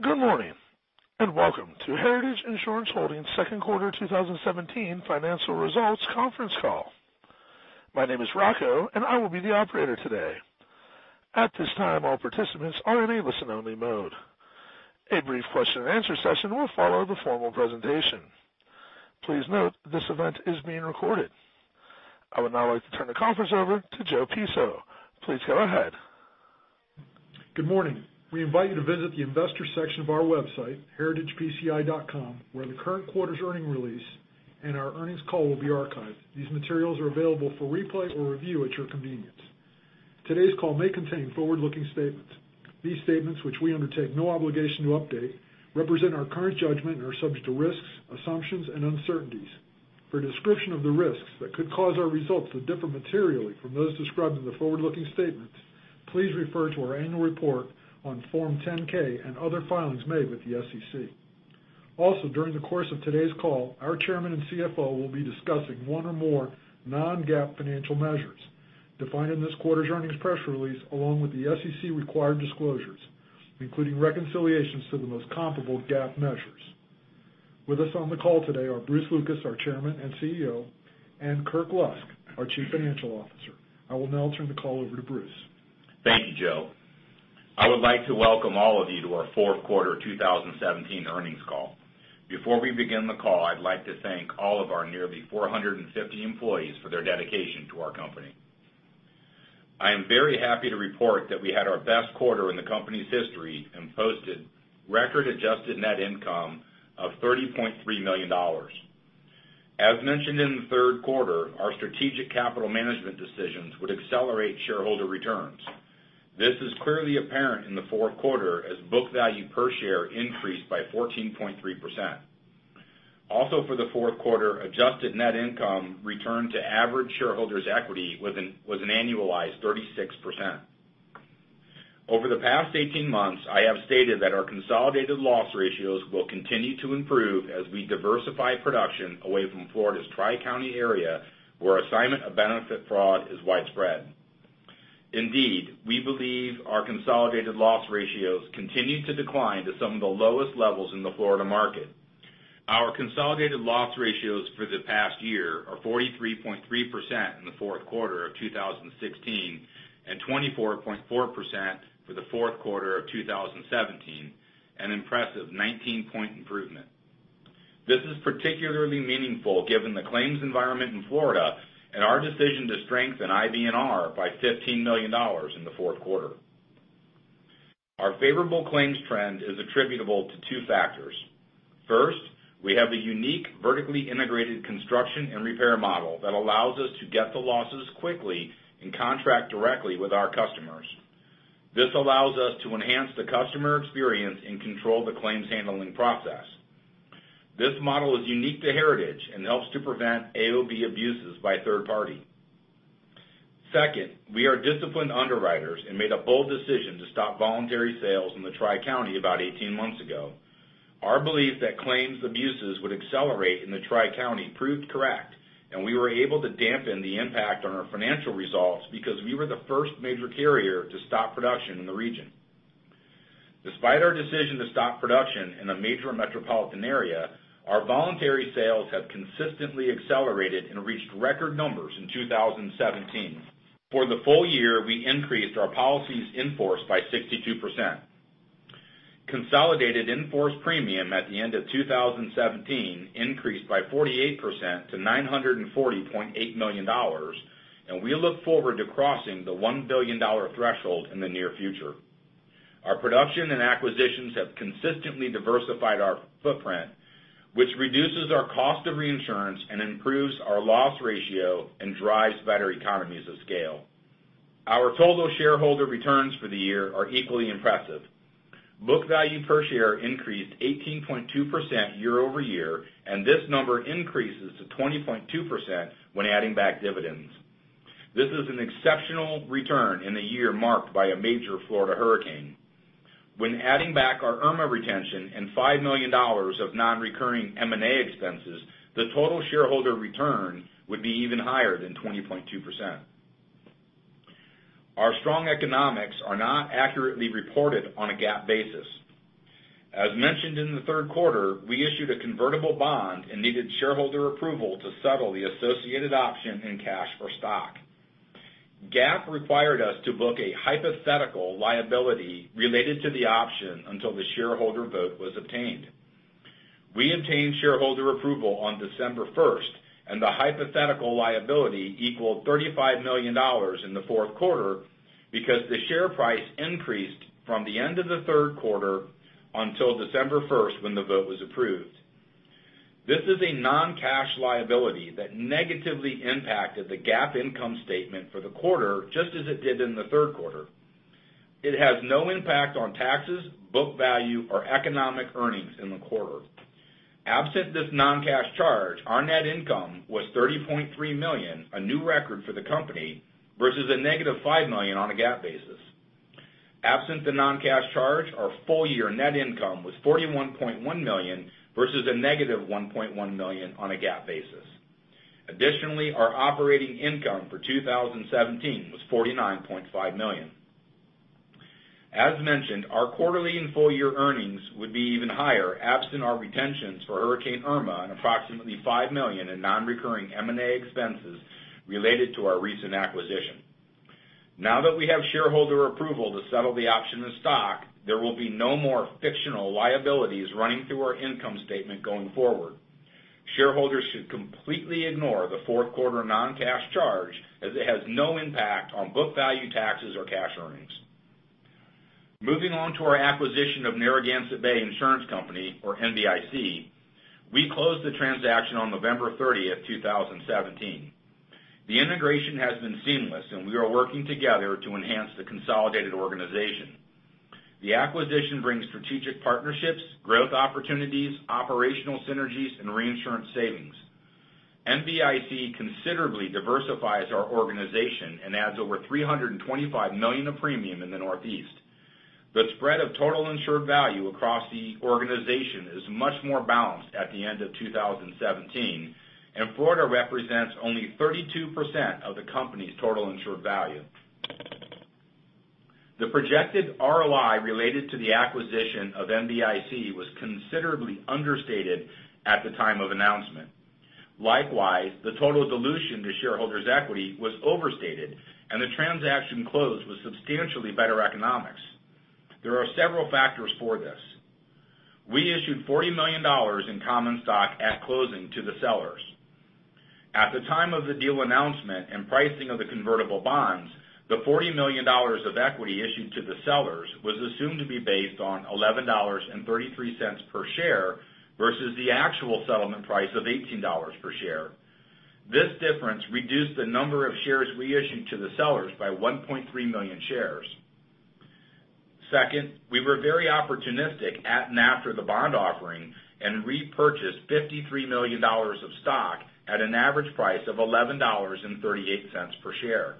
Good morning, welcome to Heritage Insurance Holdings' second quarter 2017 financial results conference call. My name is Rocco, and I will be the operator today. At this time, all participants are in a listen-only mode. A brief question and answer session will follow the formal presentation. Please note this event is being recorded. I would now like to turn the conference over to Joe Piso. Please go ahead. Good morning. We invite you to visit the investor section of our website, heritagepci.com, where the current quarter's earning release and our earnings call will be archived. These materials are available for replay or review at your convenience. Today's call may contain forward-looking statements. These statements, which we undertake no obligation to update, represent our current judgment and are subject to risks, assumptions, and uncertainties. For a description of the risks that could cause our results to differ materially from those described in the forward-looking statements, please refer to our annual report on Form 10-K and other filings made with the SEC. Also, during the course of today's call, our Chairman and CFO will be discussing one or more non-GAAP financial measures defined in this quarter's earnings press release along with the SEC-required disclosures, including reconciliations to the most comparable GAAP measures. With us on the call today are Bruce Lucas, our Chairman and CEO, and Kirk Lusk, our Chief Financial Officer. I will now turn the call over to Bruce. Thank you, Joe. I would like to welcome all of you to our fourth quarter 2017 earnings call. Before we begin the call, I'd like to thank all of our nearly 450 employees for their dedication to our company. I am very happy to report that we had our best quarter in the company's history and posted record adjusted net income of $30.3 million. As mentioned in the third quarter, our strategic capital management decisions would accelerate shareholder returns. This is clearly apparent in the fourth quarter as book value per share increased by 14.3%. Also for the fourth quarter, adjusted net income returned to average shareholders' equity was an annualized 36%. Over the past 18 months, I have stated that our consolidated loss ratios will continue to improve as we diversify production away from Florida's Tri-County area, where assignment of benefit fraud is widespread. Indeed, we believe our consolidated loss ratios continue to decline to some of the lowest levels in the Florida market. Our consolidated loss ratios for the past year are 43.3% in the fourth quarter of 2016 and 24.4% for the fourth quarter of 2017, an impressive 19 point improvement. This is particularly meaningful given the claims environment in Florida and our decision to strengthen IBNR by $15 million in the fourth quarter. Our favorable claims trend is attributable to two factors. First, we have a unique vertically integrated construction and repair model that allows us to get the losses quickly and contract directly with our customers. This allows us to enhance the customer experience and control the claims handling process. This model is unique to Heritage and helps to prevent AOB abuses by a third party. Second, we are disciplined underwriters and made a bold decision to stop voluntary sales in the Tri-County about 18 months ago. Our belief that claims abuses would accelerate in the Tri-County proved correct, we were able to dampen the impact on our financial results because we were the first major carrier to stop production in the region. Despite our decision to stop production in a major metropolitan area, our voluntary sales have consistently accelerated and reached record numbers in 2017. For the full year, we increased our policies in force by 62%. Consolidated in-force premium at the end of 2017 increased by 48% to $940.8 million, and we look forward to crossing the $1 billion threshold in the near future. Our production and acquisitions have consistently diversified our footprint, which reduces our cost of reinsurance and improves our loss ratio and drives better economies of scale. Our total shareholder returns for the year are equally impressive. Book value per share increased 18.2% year-over-year, this number increases to 20.2% when adding back dividends. This is an exceptional return in a year marked by a major Florida hurricane. When adding back our Irma retention and $5 million of non-recurring M&A expenses, the total shareholder return would be even higher than 20.2%. Our strong economics are not accurately reported on a GAAP basis. As mentioned in the third quarter, we issued a convertible bond and needed shareholder approval to settle the associated option in cash for stock. GAAP required us to book a hypothetical liability related to the option until the shareholder vote was obtained. We obtained shareholder approval on December 1st, the hypothetical liability equaled $35 million in the fourth quarter because the share price increased from the end of the third quarter until December 1st when the vote was approved. This is a non-cash liability that negatively impacted the GAAP income statement for the quarter just as it did in the third quarter. It has no impact on taxes, book value, or economic earnings in the quarter. Absent this non-cash charge, our net income was $30.3 million, a new record for the company, versus a negative $5 million on a GAAP basis. Absent the non-cash charge, our full-year net income was $41.1 million versus a negative $1.1 million on a GAAP basis. Additionally, our operating income for 2017 was $49.5 million. As mentioned, our quarterly and full year earnings would be even higher absent our retentions for Hurricane Irma and approximately $5 million in non-recurring M&A expenses related to our recent acquisition. Now that we have shareholder approval to settle the option of stock, there will be no more fictional liabilities running through our income statement going forward. Shareholders should completely ignore the fourth quarter non-cash charge as it has no impact on book value taxes or cash earnings. Moving on to our acquisition of Narragansett Bay Insurance Company, or NBIC, we closed the transaction on November 30, 2017. The integration has been seamless, and we are working together to enhance the consolidated organization. The acquisition brings strategic partnerships, growth opportunities, operational synergies, and reinsurance savings. NBIC considerably diversifies our organization and adds over $325 million of premium in the Northeast. The spread of total insured value across the organization is much more balanced at the end of 2017, and Florida represents only 32% of the company's total insured value. The projected ROI related to the acquisition of NBIC was considerably understated at the time of announcement. Likewise, the total dilution to shareholders' equity was overstated, and the transaction closed with substantially better economics. There are several factors for this. We issued $40 million in common stock at closing to the sellers. At the time of the deal announcement and pricing of the convertible bonds, the $40 million of equity issued to the sellers was assumed to be based on $11.33 per share versus the actual settlement price of $18 per share. This difference reduced the number of shares we issued to the sellers by 1.3 million shares. Second, we were very opportunistic at and after the bond offering and repurchased $53 million of stock at an average price of $11.38 per share.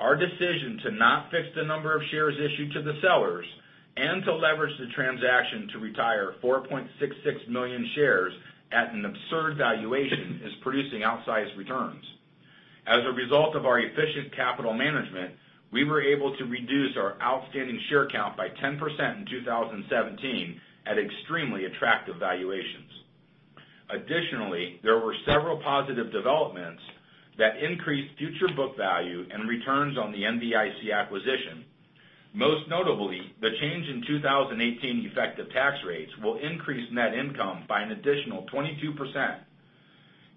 Our decision to not fix the number of shares issued to the sellers and to leverage the transaction to retire 4.66 million shares at an absurd valuation is producing outsized returns. As a result of our efficient capital management, we were able to reduce our outstanding share count by 10% in 2017 at extremely attractive valuations. Additionally, there were several positive developments that increased future book value and returns on the NBIC acquisition. Most notably, the change in 2018 effective tax rates will increase net income by an additional 22%.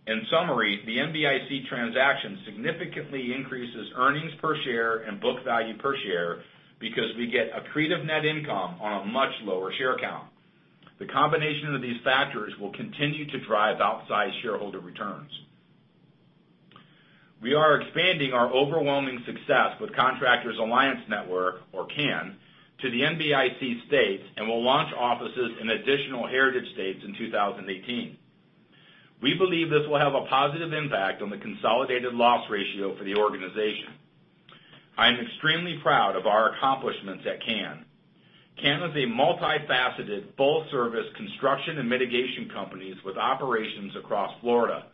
In summary, the NBIC transaction significantly increases earnings per share and book value per share because we get accretive net income on a much lower share count. The combination of these factors will continue to drive outsized shareholder returns. We are expanding our overwhelming success with Contractors Alliance Network, or CAN, to the NBIC states and will launch offices in additional Heritage states in 2018. We believe this will have a positive impact on the consolidated loss ratio for the organization. I am extremely proud of our accomplishments at CAN. CAN is a multifaceted, full-service construction and mitigation companies with operations across Florida.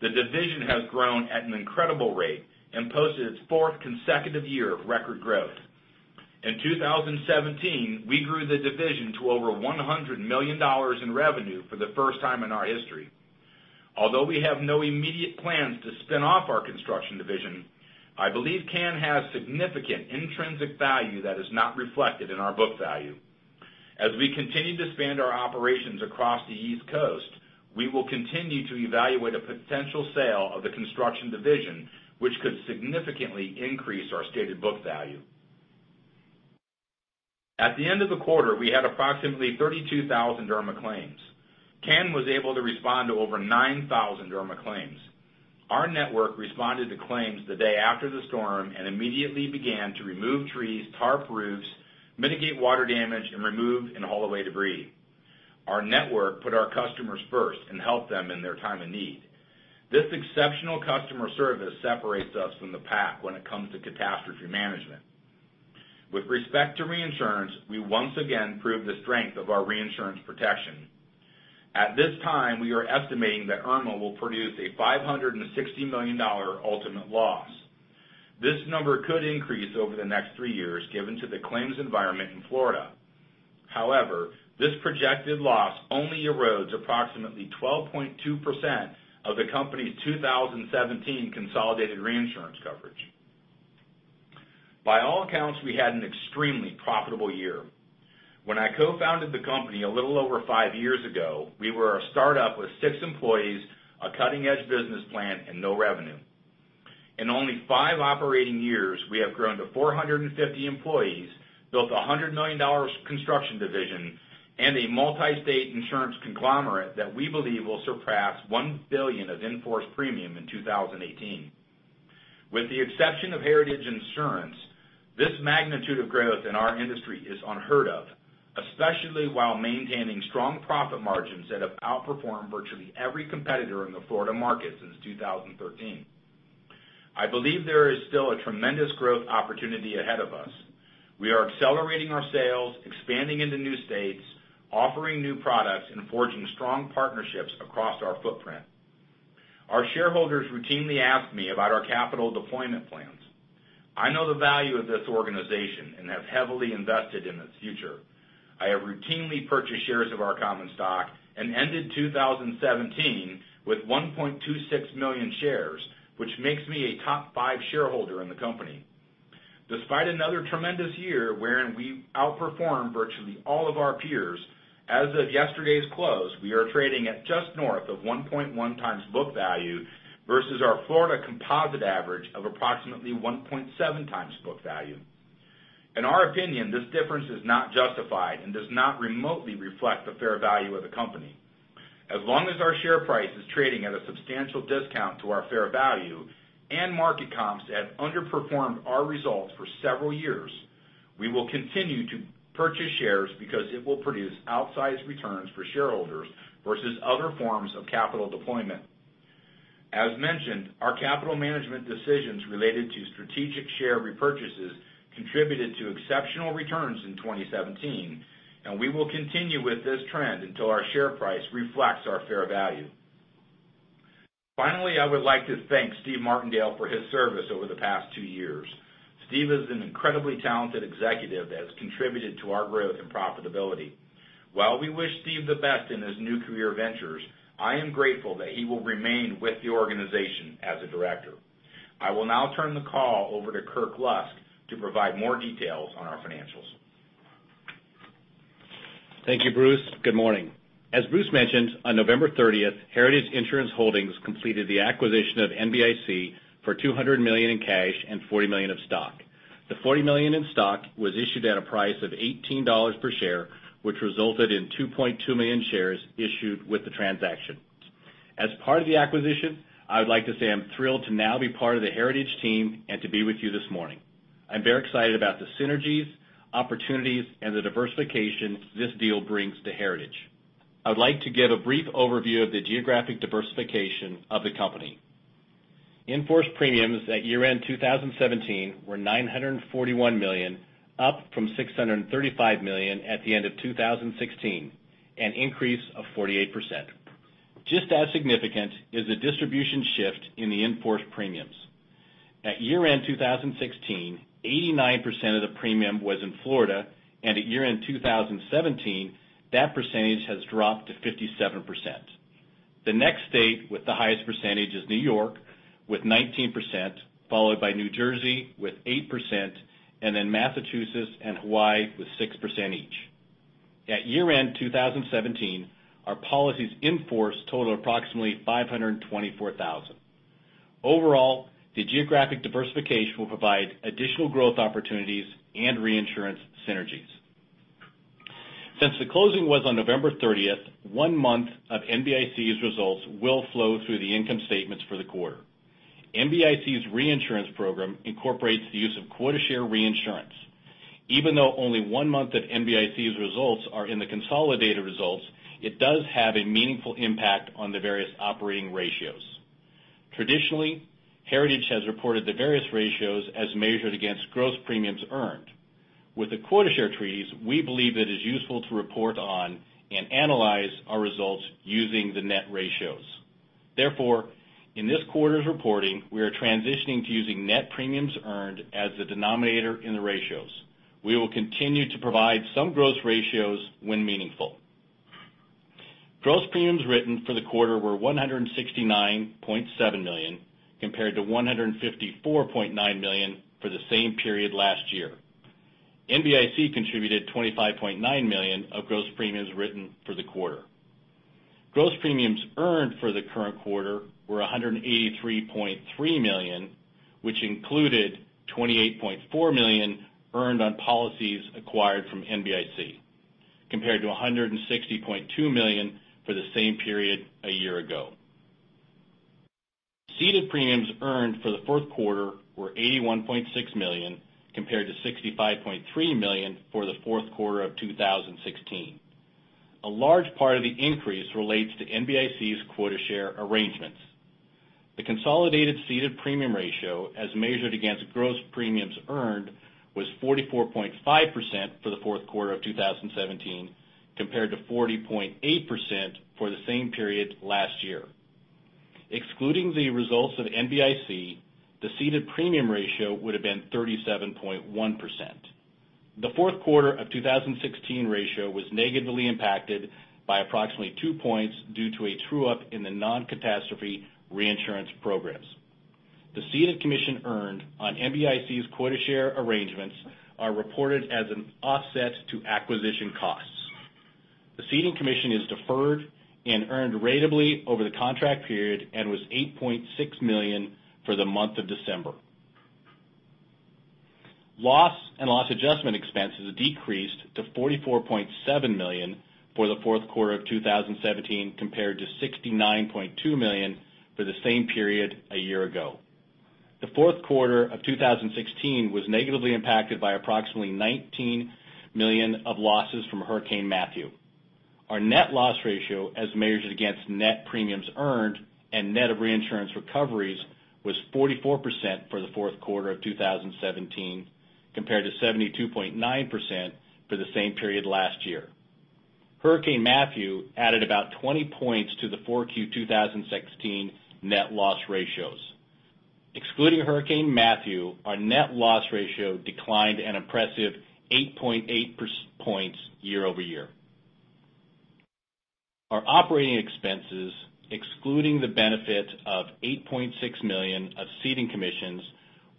The division has grown at an incredible rate and posted its fourth consecutive year of record growth. In 2017, we grew the division to over $100 million in revenue for the first time in our history. Although we have no immediate plans to spin off our construction division, I believe CAN has significant intrinsic value that is not reflected in our book value. As we continue to expand our operations across the East Coast, we will continue to evaluate a potential sale of the construction division, which could significantly increase our stated book value. At the end of the quarter, we had approximately 32,000 Hurricane Irma claims. CAN was able to respond to over 9,000 Hurricane Irma claims. Our network responded to claims the day after the storm and immediately began to remove trees, tarp roofs, mitigate water damage, and remove and haul away debris. Our network put our customers first and helped them in their time of need. This exceptional customer service separates us from the pack when it comes to catastrophe management. With respect to reinsurance, we once again proved the strength of our reinsurance protection. At this time, we are estimating that Hurricane Irma will produce a $560 million ultimate loss. This number could increase over the next three years given to the claims environment in Florida. However, this projected loss only erodes approximately 12.2% of the company's 2017 consolidated reinsurance coverage. By all accounts, we had an extremely profitable year. When I co-founded the company a little over five years ago, we were a startup with six employees, a cutting edge business plan, and no revenue. In only five operating years, we have grown to 450 employees, built a $100 million construction division, and a multi-state insurance conglomerate that we believe will surpass $1 billion of in-force premium in 2018. With the exception of Heritage Insurance, this magnitude of growth in our industry is unheard of, especially while maintaining strong profit margins that have outperformed virtually every competitor in the Florida market since 2013. I believe there is still a tremendous growth opportunity ahead of us. We are accelerating our sales, expanding into new states, offering new products, and forging strong partnerships across our footprint. Our shareholders routinely ask me about our capital deployment plans. I know the value of this organization and have heavily invested in its future. I have routinely purchased shares of our common stock and ended 2017 with 1.26 million shares, which makes me a top 5 shareholder in the company. Despite another tremendous year wherein we outperformed virtually all of our peers, as of yesterday's close, we are trading at just north of 1.1 times book value versus our Florida composite average of approximately 1.7 times book value. In our opinion, this difference is not justified and does not remotely reflect the fair value of the company. As long as our share price is trading at a substantial discount to our fair value and market comps have underperformed our results for several years, we will continue to purchase shares because it will produce outsized returns for shareholders versus other forms of capital deployment. As mentioned, our capital management decisions related to strategic share repurchases contributed to exceptional returns in 2017, and we will continue with this trend until our share price reflects our fair value. Finally, I would like to thank Steven Martindale for his service over the past two years. Steve is an incredibly talented executive that's contributed to our growth and profitability. While we wish Steve the best in his new career ventures, I am grateful that he will remain with the organization as a director. I will now turn the call over to Kirk Lusk to provide more details on our financials. Thank you, Bruce. Good morning. As Bruce mentioned, on November 30th, Heritage Insurance Holdings completed the acquisition of NBIC for $200 million in cash and $40 million of stock. The $40 million in stock was issued at a price of $18 per share, which resulted in 2.2 million shares issued with the transaction. As part of the acquisition, I would like to say I am thrilled to now be part of the Heritage team and to be with you this morning. I am very excited about the synergies, opportunities, and the diversification this deal brings to Heritage. I would like to give a brief overview of the geographic diversification of the company. In-force premiums at year-end 2017 were $941 million, up from $635 million at the end of 2016, an increase of 48%. Just as significant is the distribution shift in the in-force premiums. At year-end 2016, 89% of the premium was in Florida, and at year-end 2017, that percentage has dropped to 57%. The next state with the highest percentage is New York with 19%, followed by New Jersey with 8%, and then Massachusetts and Hawaii with 6% each. At year-end 2017, our policies in force totaled approximately 524,000. Overall, the geographic diversification will provide additional growth opportunities and reinsurance synergies. Since the closing was on November 30th, one month of NBIC's results will flow through the income statements for the quarter. NBIC's reinsurance program incorporates the use of quota share reinsurance. Even though only one month of NBIC's results are in the consolidated results, it does have a meaningful impact on the various operating ratios. Traditionally, Heritage has reported the various ratios as measured against gross premiums earned. With the quota share treaties, we believe it is useful to report on and analyze our results using the net ratios. Therefore, in this quarter's reporting, we are transitioning to using net premiums earned as the denominator in the ratios. We will continue to provide some gross ratios when meaningful. Gross premiums written for the quarter were $169.7 million, compared to $154.9 million for the same period last year. NBIC contributed $25.9 million of gross premiums written for the quarter. Gross premiums earned for the current quarter were $183.3 million, which included $28.4 million earned on policies acquired from NBIC, compared to $160.2 million for the same period a year ago. Ceded premiums earned for the fourth quarter were $81.6 million, compared to $65.3 million for the fourth quarter of 2016. A large part of the increase relates to NBIC's quota share arrangements. The consolidated ceded premium ratio, as measured against gross premiums earned, was 44.5% for the fourth quarter of 2017, compared to 40.8% for the same period last year. Excluding the results of NBIC, the ceded premium ratio would have been 37.1%. The fourth quarter of 2016 ratio was negatively impacted by approximately two points due to a true-up in the non-catastrophe reinsurance programs. The ceded commission earned on NBIC's quota share arrangements are reported as an offset to acquisition costs. The ceding commission is deferred and earned ratably over the contract period and was $8.6 million for the month of December. Loss and loss adjustment expenses decreased to $44.7 million for the fourth quarter of 2017, compared to $69.2 million for the same period a year ago. The fourth quarter of 2016 was negatively impacted by approximately $19 million of losses from Hurricane Matthew. Our net loss ratio, as measured against net premiums earned and net of reinsurance recoveries, was 44% for the fourth quarter of 2017, compared to 72.9% for the same period last year. Hurricane Matthew added about 20 points to the 4Q 2016 net loss ratios. Excluding Hurricane Matthew, our net loss ratio declined an impressive 8.8 points year-over-year. Our operating expenses, excluding the benefit of $8.6 million of ceding commissions,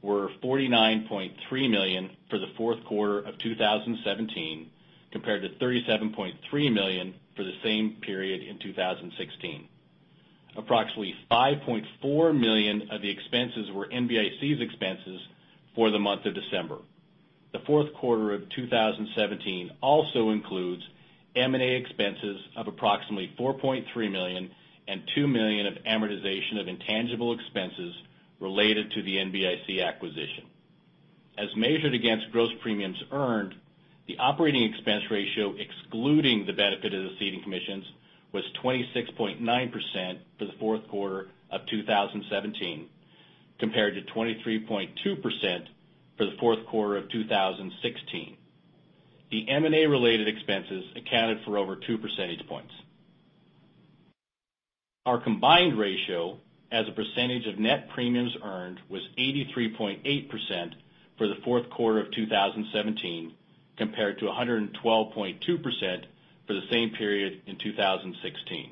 were $49.3 million for the fourth quarter of 2017, compared to $37.3 million for the same period in 2016. Approximately $5.4 million of the expenses were NBIC's expenses for the month of December. The fourth quarter of 2017 also includes M&A expenses of approximately $4.3 million and $2 million of amortization of intangible expenses related to the NBIC acquisition. As measured against gross premiums earned, the operating expense ratio, excluding the benefit of the ceding commissions, was 26.9% for the fourth quarter of 2017, compared to 23.2% for the fourth quarter of 2016. The M&A related expenses accounted for over two percentage points. Our combined ratio as a percentage of net premiums earned was 83.8% for the fourth quarter of 2017, compared to 112.2% for the same period in 2016.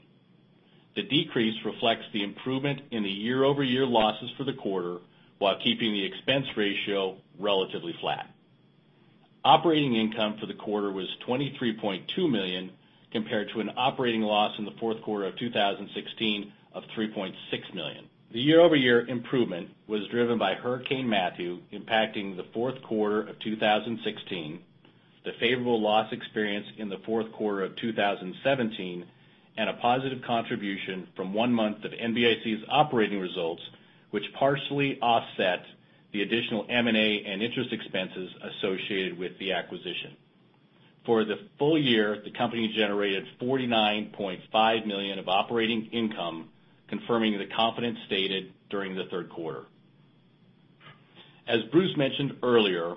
The decrease reflects the improvement in the year-over-year losses for the quarter while keeping the expense ratio relatively flat. Operating income for the quarter was $23.2 million, compared to an operating loss in the fourth quarter of 2016 of $3.6 million. The year-over-year improvement was driven by Hurricane Matthew impacting the fourth quarter of 2016, the favorable loss experience in the fourth quarter of 2017, and a positive contribution from one month of NBIC's operating results, which partially offset the additional M&A and interest expenses associated with the acquisition. For the full year, the company generated $49.5 million of operating income, confirming the confidence stated during the third quarter. As Bruce mentioned earlier,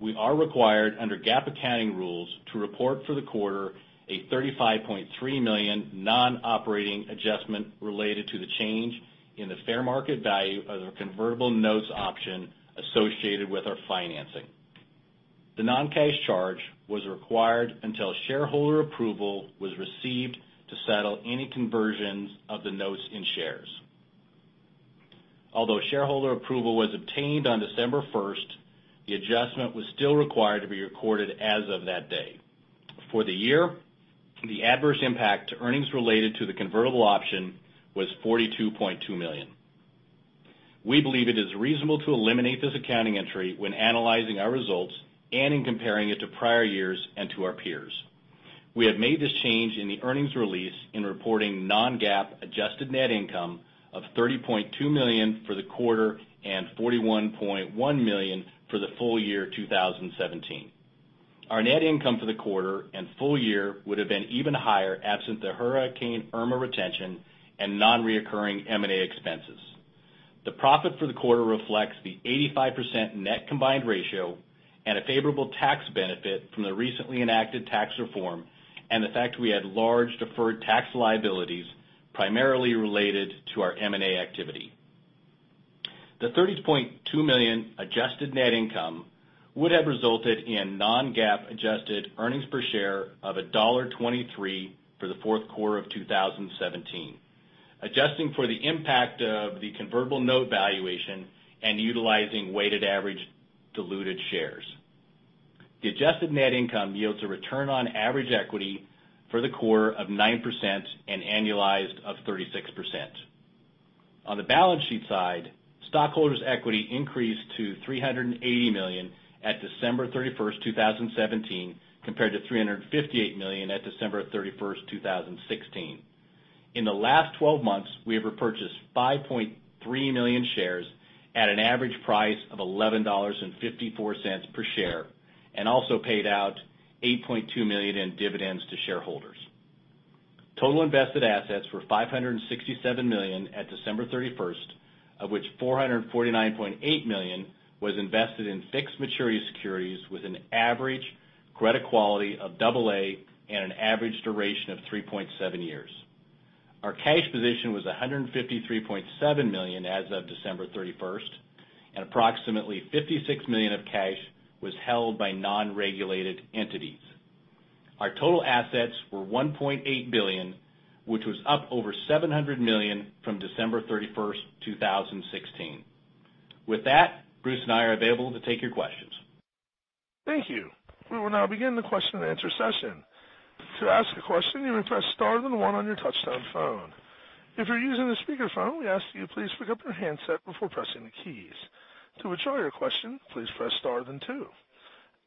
we are required under GAAP accounting rules to report for the quarter a $35.3 million non-operating adjustment related to the change in the fair market value of the convertible notes option associated with our financing. The non-cash charge was required until shareholder approval was received to settle any conversions of the notes in shares. Although shareholder approval was obtained on December 1st, the adjustment was still required to be recorded as of that day. For the year, the adverse impact to earnings related to the convertible option was $42.2 million. We believe it is reasonable to eliminate this accounting entry when analyzing our results and in comparing it to prior years and to our peers. We have made this change in the earnings release in reporting non-GAAP adjusted net income of $30.2 million for the quarter and $41.1 million for the full year 2017. Our net income for the quarter and full year would have been even higher absent the Hurricane Irma retention and non-recurring M&A expenses. The profit for the quarter reflects the 85% net combined ratio and a favorable tax benefit from the recently enacted tax reform and the fact we had large deferred tax liabilities, primarily related to our M&A activity. The $30.2 million adjusted net income would have resulted in non-GAAP adjusted earnings per share of $1.23 for the fourth quarter of 2017, adjusting for the impact of the convertible note valuation and utilizing weighted average diluted shares. The adjusted net income yields a return on average equity for the quarter of 9% and annualized of 36%. On the balance sheet side, stockholders' equity increased to $380 million at December 31st, 2017, compared to $358 million at December 31st, 2016. In the last 12 months, we have repurchased 5.3 million shares at an average price of $11.54 per share and also paid out $8.2 million in dividends to shareholders. Total invested assets were $567 million at December 31st, of which $449.8 million was invested in fixed maturity securities with an average credit quality of double A and an average duration of 3.7 years. Our cash position was $153.7 million as of December 31st, and approximately $56 million of cash was held by non-regulated entities. Our total assets were $1.8 billion, which was up over $700 million from December 31st, 2016. Bruce and I are available to take your questions. Thank you. We will now begin the question and answer session. To ask a question, you may press star then one on your touchtone phone. If you're using a speakerphone, we ask that you please pick up your handset before pressing the keys. To withdraw your question, please press star then two.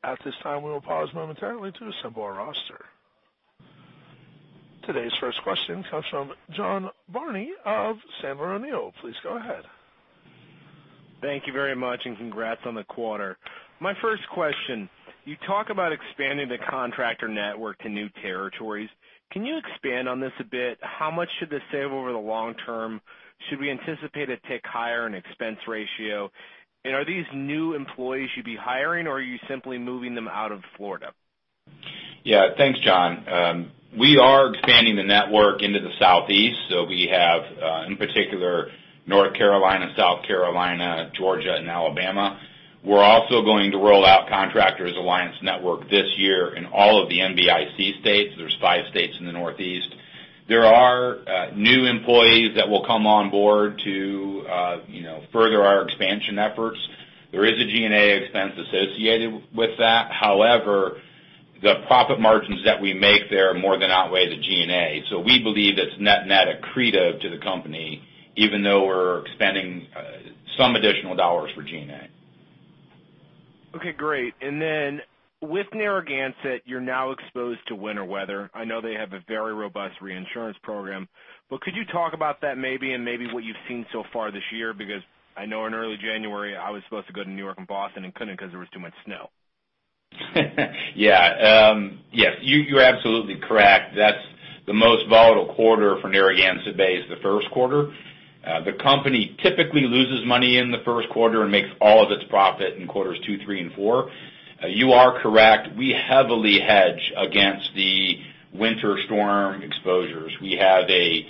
At this time, we will pause momentarily to assemble our roster. Today's first question comes from John Barnidge of Sandler O'Neill. Please go ahead. Thank you very much. Congrats on the quarter. My first question, you talk about expanding the contractor network to new territories. Can you expand on this a bit? How much should this save over the long term? Should we anticipate a tick higher in expense ratio? Are these new employees you'd be hiring, or are you simply moving them out of Florida? Thanks, John. We are expanding the network into the Southeast, so we have, in particular, North Carolina, South Carolina, Georgia, and Alabama. We're also going to roll out Contractors Alliance Network this year in all of the NBIC states. There are five states in the Northeast. There are new employees that will come on board to further our expansion efforts. There is a G&A expense associated with that. However, the profit margins that we make there more than outweigh the G&A. We believe it's net-net accretive to the company, even though we're expanding some additional dollars for G&A. Okay, great. With Narragansett, you're now exposed to winter weather. I know they have a very robust reinsurance program, but could you talk about that maybe, and maybe what you've seen so far this year? Because I know in early January, I was supposed to go to New York and Boston and couldn't because there was too much snow. You're absolutely correct. That's the most volatile quarter for Narragansett Bay is the first quarter. The company typically loses money in the first quarter and makes all of its profit in quarters two, three, and four. You are correct. We heavily hedge against the winter storm exposures. We have a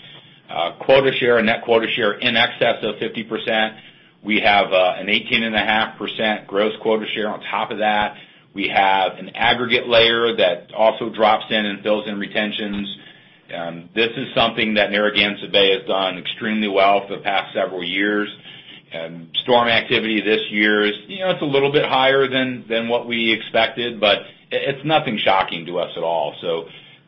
quota share, a net quota share in excess of 50%. We have an 18.5% gross quota share on top of that. We have an aggregate layer that also drops in and fills in retentions. This is something that Narragansett Bay has done extremely well for the past several years. Storm activity this year is a little bit higher than what we expected, but it's nothing shocking to us at all.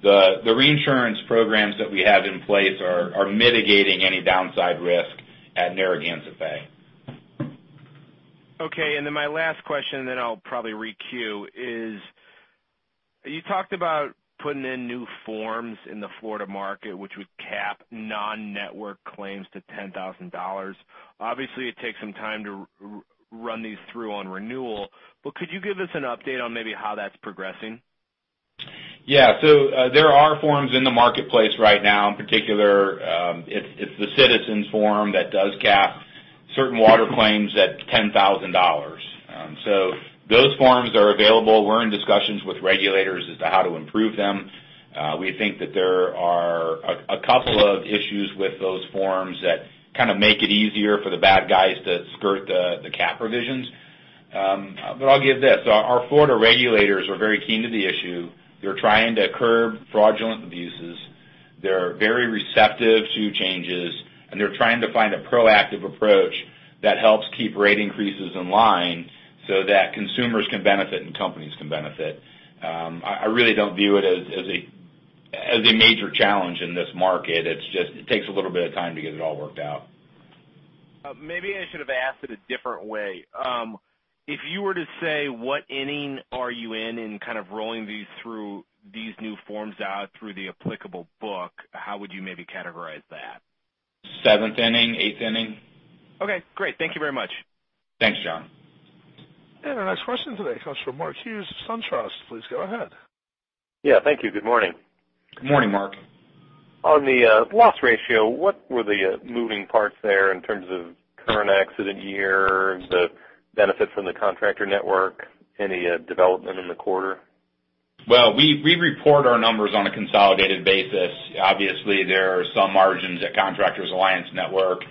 The reinsurance programs that we have in place are mitigating any downside risk at Narragansett Bay. Okay, my last question, I'll probably re-queue, is you talked about putting in new forms in the Florida market, which would cap non-network claims to $10,000. Obviously, it takes some time to run these through on renewal, could you give us an update on maybe how that's progressing? Yeah. There are forms in the marketplace right now. In particular, it's the Citizens form that does cap certain water claims at $10,000. Those forms are available. We're in discussions with regulators as to how to improve them. We think that there are a couple of issues with those forms that kind of make it easier for the bad guys to skirt the cap revisions. I'll give this, our Florida regulators are very keen to the issue. They're trying to curb fraudulent abuses. They're very receptive to changes, and they're trying to find a proactive approach that helps keep rate increases in line so that consumers can benefit, and companies can benefit. I really don't view it as a major challenge in this market. It takes a little bit of time to get it all worked out. Maybe I should have asked it a different way. If you were to say what inning are you in kind of rolling these through these new forms out through the applicable book, how would you maybe categorize that? Seventh inning, eighth inning. Okay, great. Thank you very much. Thanks, John. Our next question today comes from Mark Hughes of SunTrust. Please go ahead. Yeah. Thank you. Good morning. Good morning, Mark. On the loss ratio, what were the moving parts there in terms of current accident year, the benefit from the contractor network, any development in the quarter? We report our numbers on a consolidated basis. Obviously, there are some margins at Contractors Alliance Network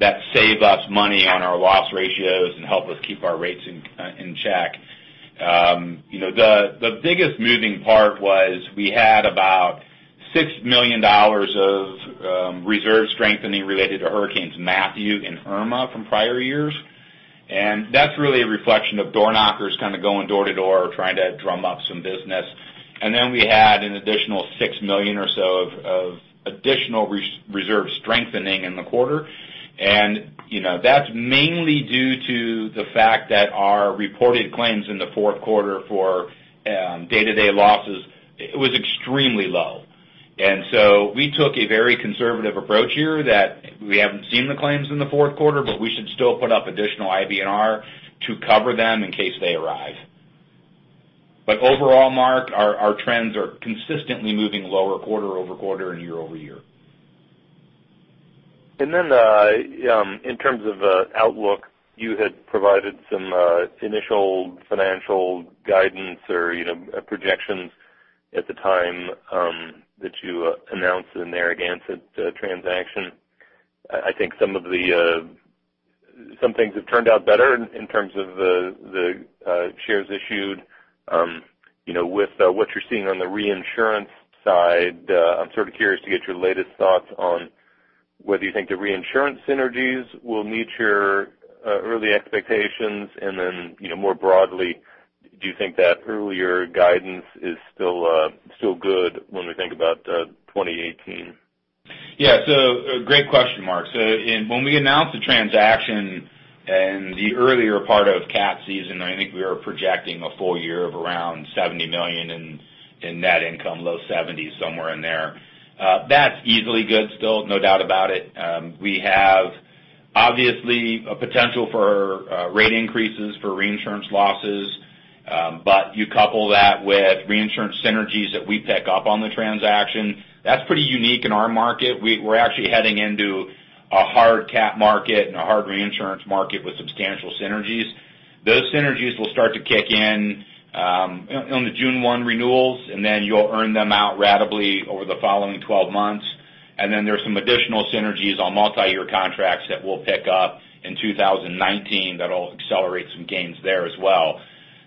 that save us money on our loss ratios and help us keep our rates in check. The biggest moving part was we had about $6 million of reserve strengthening related to Hurricanes Matthew and Irma from prior years. That's really a reflection of door knockers kind of going door to door trying to drum up some business. Then we had an additional $6 million or so of additional reserve strengthening in the quarter. That's mainly due to the fact that our reported claims in the fourth quarter for day-to-day losses, it was extremely low. So we took a very conservative approach here that we haven't seen the claims in the fourth quarter, but we should still put up additional IBNR to cover them in case they arrive. Overall, Mark, our trends are consistently moving lower quarter-over-quarter and year-over-year. In terms of outlook, you had provided some initial financial guidance or projections at the time that you announced the Narragansett transaction. I think some things have turned out better in terms of the shares issued. With what you're seeing on the reinsurance side, I'm sort of curious to get your latest thoughts on whether you think the reinsurance synergies will meet your early expectations. Then more broadly, do you think that earlier guidance is still good when we think about 2018? Yeah. Great question, Mark. When we announced the transaction in the earlier part of cat season, I think we were projecting a full year of around $70 million in net income, low 70s, somewhere in there. That's easily good still, no doubt about it. We have, obviously, a potential for rate increases for reinsurance losses. You couple that with reinsurance synergies that we pick up on the transaction. That's pretty unique in our market. We're actually heading into a hard cat market and a hard reinsurance market with substantial synergies. Those synergies will start to kick in on the June 1 renewals, and then you'll earn them out ratably over the following 12 months. There's some additional synergies on multi-year contracts that we'll pick up in 2019 that'll accelerate some gains there as well.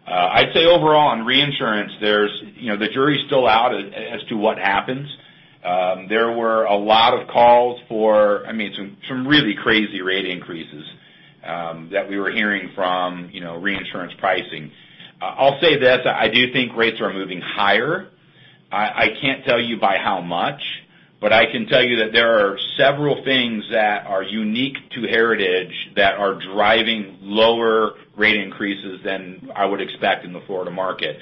I'd say overall, on reinsurance, the jury's still out as to what happens. There were a lot of calls for some really crazy rate increases that we were hearing from reinsurance pricing. I'll say this, I do think rates are moving higher. I can't tell you by how much, but I can tell you that there are several things that are unique to Heritage that are driving lower rate increases than I would expect in the Florida market.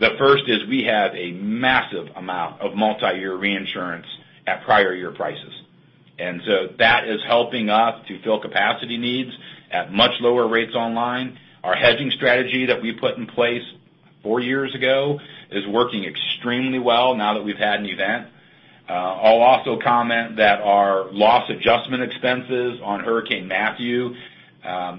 The first is we have a massive amount of multi-year reinsurance at prior year prices. That is helping us to fill capacity needs at much lower rates online. Our hedging strategy that we put in place four years ago is working extremely well now that we've had an event. I'll also comment that our loss adjustment expenses on Hurricane Matthew,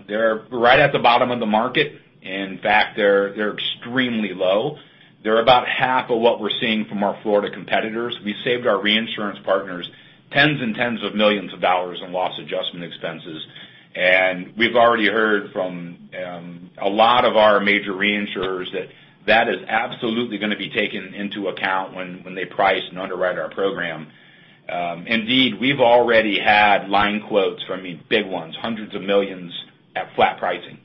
they're right at the bottom of the market. In fact, they're extremely low. They're about half of what we're seeing from our Florida competitors. We saved our reinsurance partners tens and tens of millions of dollars in loss adjustment expenses. We've already heard from a lot of our major reinsurers that that is absolutely going to be taken into account when they price and underwrite our program. Indeed, we've already had line quotes from big ones, hundreds of millions, at flat pricing.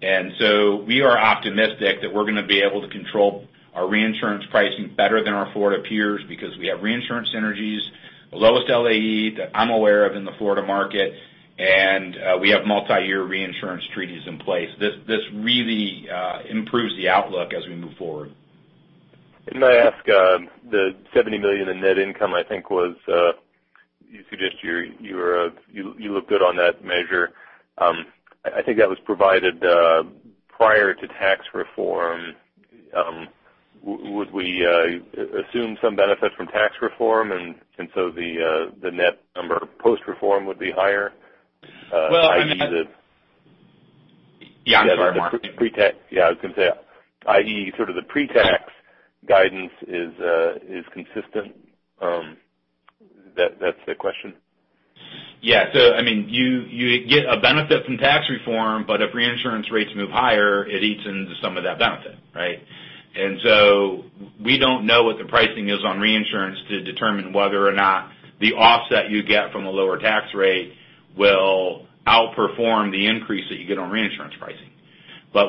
We are optimistic that we're going to be able to control our reinsurance pricing better than our Florida peers because we have reinsurance synergies, the lowest LAE that I'm aware of in the Florida market, and we have multi-year reinsurance treaties in place. This really improves the outlook as we move forward. May I ask, the $70 million in net income I think was, you suggested you look good on that measure. I think that was provided prior to tax reform. Would we assume some benefit from tax reform, the net number post-reform would be higher? Well, I mean I mean the Yeah, I'm sorry, Mark. the pre-tax, yeah. I was going to say, i.e., sort of the pre-tax guidance is consistent. That's the question. Yeah. You get a benefit from tax reform, but if reinsurance rates move higher, it eats into some of that benefit, right? We don't know what the pricing is on reinsurance to determine whether or not the offset you get from a lower tax rate will outperform the increase that you get on reinsurance pricing.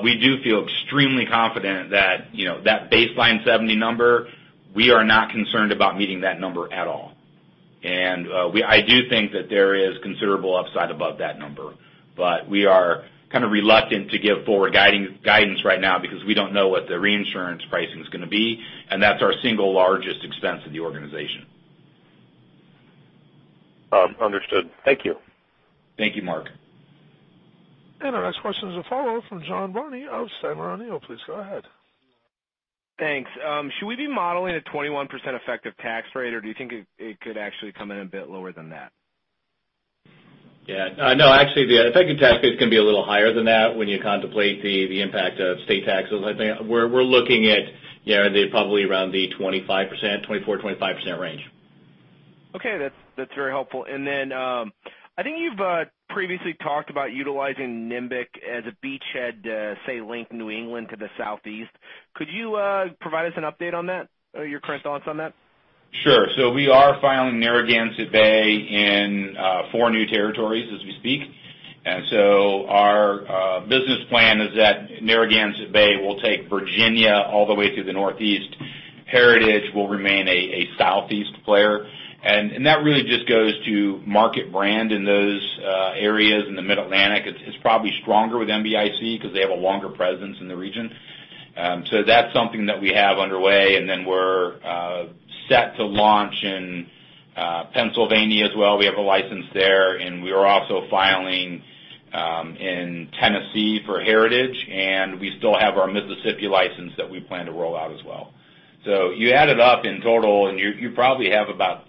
We do feel extremely confident that baseline 70 number, we are not concerned about meeting that number at all. I do think that there is considerable upside above that number. We are kind of reluctant to give forward guidance right now because we don't know what the reinsurance pricing's going to be, and that's our single largest expense in the organization. Understood. Thank you. Thank you, Mark. Our next question is a follow from John Carney of Stifel Nicolaus. Please go ahead. Thanks. Should we be modeling a 21% effective tax rate, or do you think it could actually come in a bit lower than that? Yeah. No, actually, the effective tax rate is going to be a little higher than that when you contemplate the impact of state taxes. I think we're looking at probably around the 25%, 24%-25% range. Okay. That's very helpful. Then I think you've previously talked about utilizing NBIC as a beachhead to, say, link New England to the Southeast. Could you provide us an update on that, or your current thoughts on that? Sure. We are filing Narragansett Bay in four new territories as we speak. Our business plan is that Narragansett Bay will take Virginia all the way through the Northeast. Heritage will remain a Southeast player. That really just goes to market brand in those areas in the Mid-Atlantic. It's probably stronger with NBIC because they have a longer presence in the region. That's something that we have underway, and then we're set to launch in Pennsylvania as well. We have a license there, and we are also filing in Tennessee for Heritage, and we still have our Mississippi license that we plan to roll out as well. You add it up in total, and you probably have about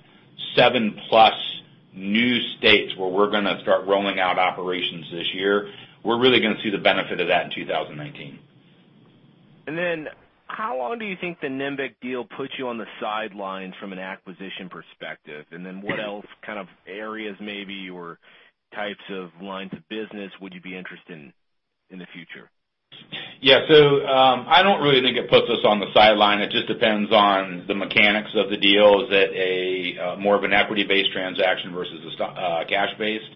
seven-plus new states where we're going to start rolling out operations this year. We're really going to see the benefit of that in 2019. How long do you think the NBIC deal puts you on the sidelines from an acquisition perspective? What else, kind of areas maybe, or types of lines of business would you be interested in the future? Yeah. I don't really think it puts us on the sideline. It just depends on the mechanics of the deal. Is it more of an equity-based transaction versus a cash-based?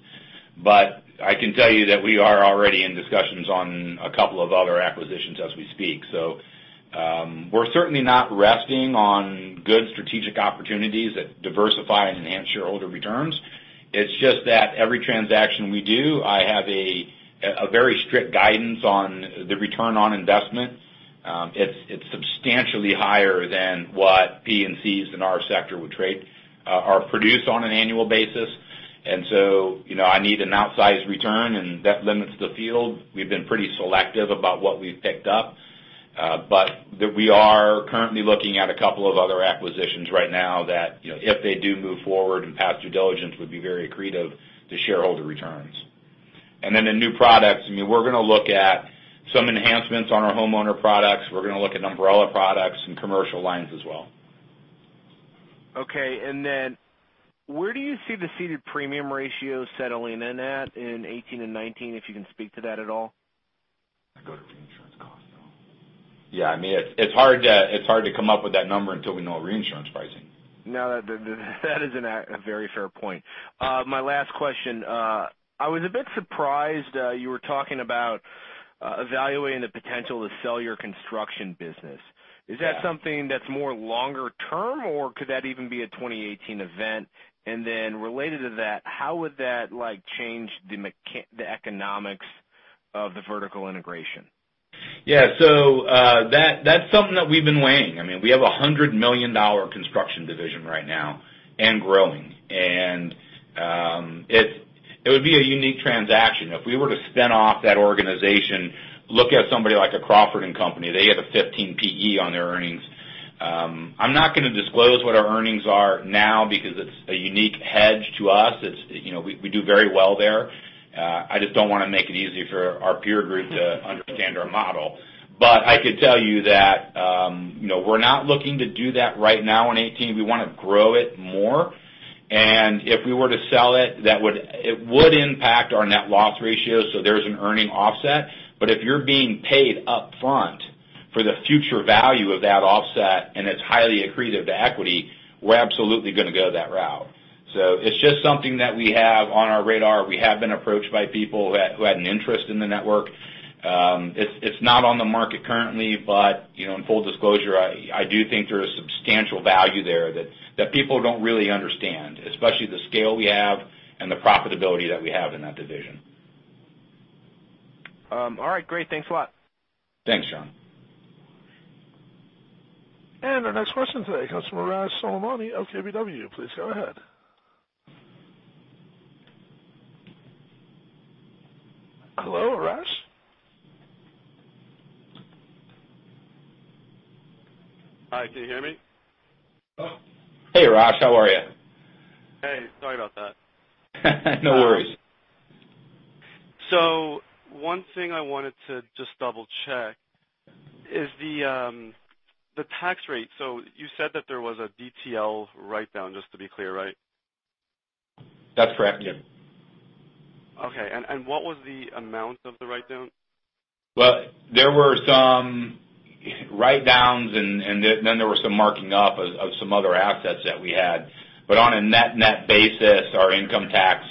I can tell you that we are already in discussions on a couple of other acquisitions as we speak. We're certainly not resting on good strategic opportunities that diversify and enhance shareholder returns. It's just that every transaction we do, I have a very strict guidance on the return on investment. It's substantially higher than what P&Cs in our sector would trade or produce on an annual basis. I need an outsized return, and that limits the field. We've been pretty selective about what we've picked up. We are currently looking at a couple of other acquisitions right now that, if they do move forward and pass due diligence, would be very accretive to shareholder returns. In new products, we're going to look at some enhancements on our homeowner products. We're going to look at umbrella products and commercial lines as well. Okay, where do you see the ceded premium ratio settling in at in 2018 and 2019, if you can speak to that at all? I go to reinsurance costs though. Yeah, it's hard to come up with that number until we know reinsurance pricing. That is a very fair point. My last question. I was a bit surprised you were talking about evaluating the potential to sell your construction business. Yeah. Is that something that's more longer term, or could that even be a 2018 event? Related to that, how would that change the economics of the vertical integration? Yeah. That's something that we've been weighing. We have a $100 million construction division right now and growing. It would be a unique transaction. If we were to spin off that organization, look at somebody like a Crawford & Company. They have a 15 PE on their earnings. I'm not going to disclose what our earnings are now because it's a unique hedge to us. We do very well there. I just don't want to make it easy for our peer group to understand our model. I could tell you that we're not looking to do that right now in '18. We want to grow it more. If we were to sell it would impact our net loss ratio. There's an earning offset. If you're being paid upfront for the future value of that offset, and it's highly accretive to equity, we're absolutely going to go that route. It's just something that we have on our radar. We have been approached by people who had an interest in the network. It's not on the market currently, but in full disclosure, I do think there is substantial value there that people don't really understand, especially the scale we have and the profitability that we have in that division. All right, great. Thanks a lot. Thanks, John. Our next question today comes from Arash Soleimani of KBW. Please go ahead. Hello, Arash? Hi, can you hear me? Hey, Arash. How are you? Hey, sorry about that. No worries. One thing I wanted to just double-check is the tax rate. You said that there was a DTL write-down, just to be clear, right? That's correct, yeah. Okay, what was the amount of the write-down? Well, there were some write-downs and then there was some marking up of some other assets that we had. On a net basis, our income tax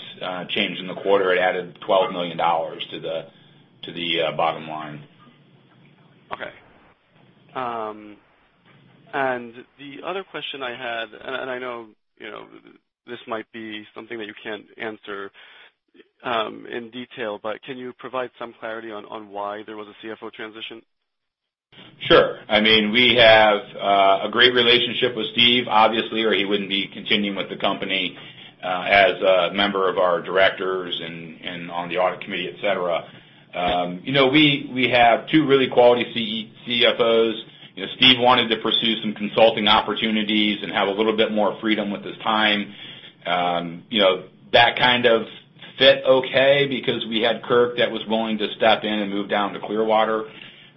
change in the quarter, it added $12 million to the bottom line. Okay. The other question I had, I know this might be something that you can't answer in detail, can you provide some clarity on why there was a CFO transition? Sure. We have a great relationship with Steve, obviously, or he wouldn't be continuing with the company as a member of our directors and on the audit committee, et cetera. We have two really quality CFOs. Steve wanted to pursue some consulting opportunities and have a little bit more freedom with his time. That kind of fit okay because we had Kirk that was willing to step in and move down to Clearwater.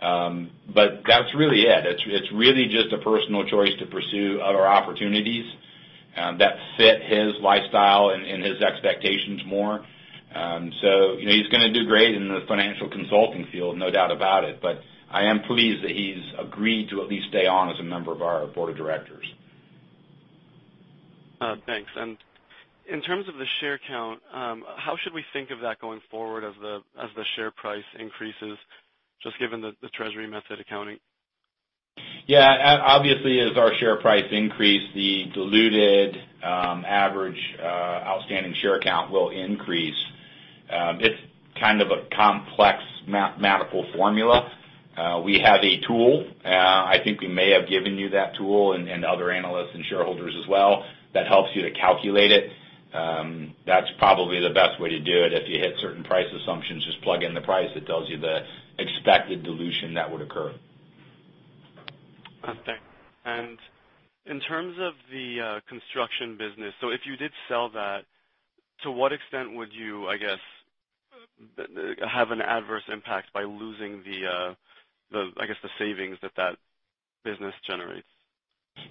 That's really it. It's really just a personal choice to pursue other opportunities that fit his lifestyle and his expectations more. He's going to do great in the financial consulting field, no doubt about it. I am pleased that he's agreed to at least stay on as a member of our board of directors. Thanks. In terms of the share count, how should we think of that going forward as the share price increases, just given the treasury method accounting? Yeah. Obviously, as our share price increase, the diluted average outstanding share count will increase. It's kind of a complex mathematical formula. We have a tool. I think we may have given you that tool and other analysts and shareholders as well, that helps you to calculate it. That's probably the best way to do it. If you hit certain price assumptions, just plug in the price. It tells you the expected dilution that would occur. Okay. In terms of the construction business, if you did sell that, to what extent would you, I guess, have an adverse impact by losing the savings that that business generates?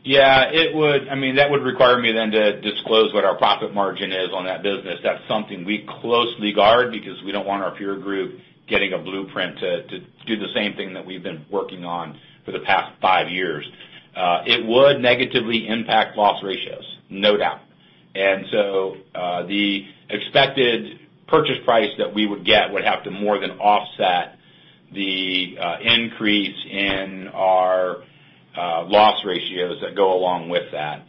Yeah. That would require me to disclose what our profit margin is on that business. That's something we closely guard because we don't want our peer group getting a blueprint to do the same thing that we've been working on for the past five years. It would negatively impact loss ratios, no doubt. The expected purchase price that we would get would have to more than offset the increase in our loss ratios that go along with that.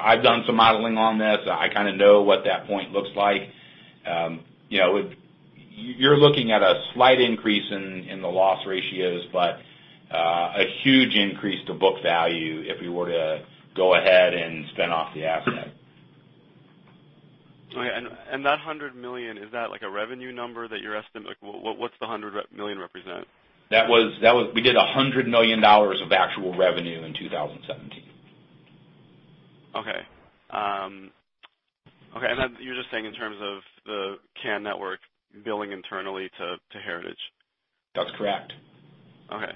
I've done some modeling on this. I kind of know what that point looks like. You're looking at a slight increase in the loss ratios, but a huge increase to book value if we were to go ahead and spin off the asset. Okay. That $100 million, what's the $100 million represent? We did $100 million of actual revenue in 2017. Okay. You're just saying in terms of the CAN network billing internally to Heritage? That's correct. Okay.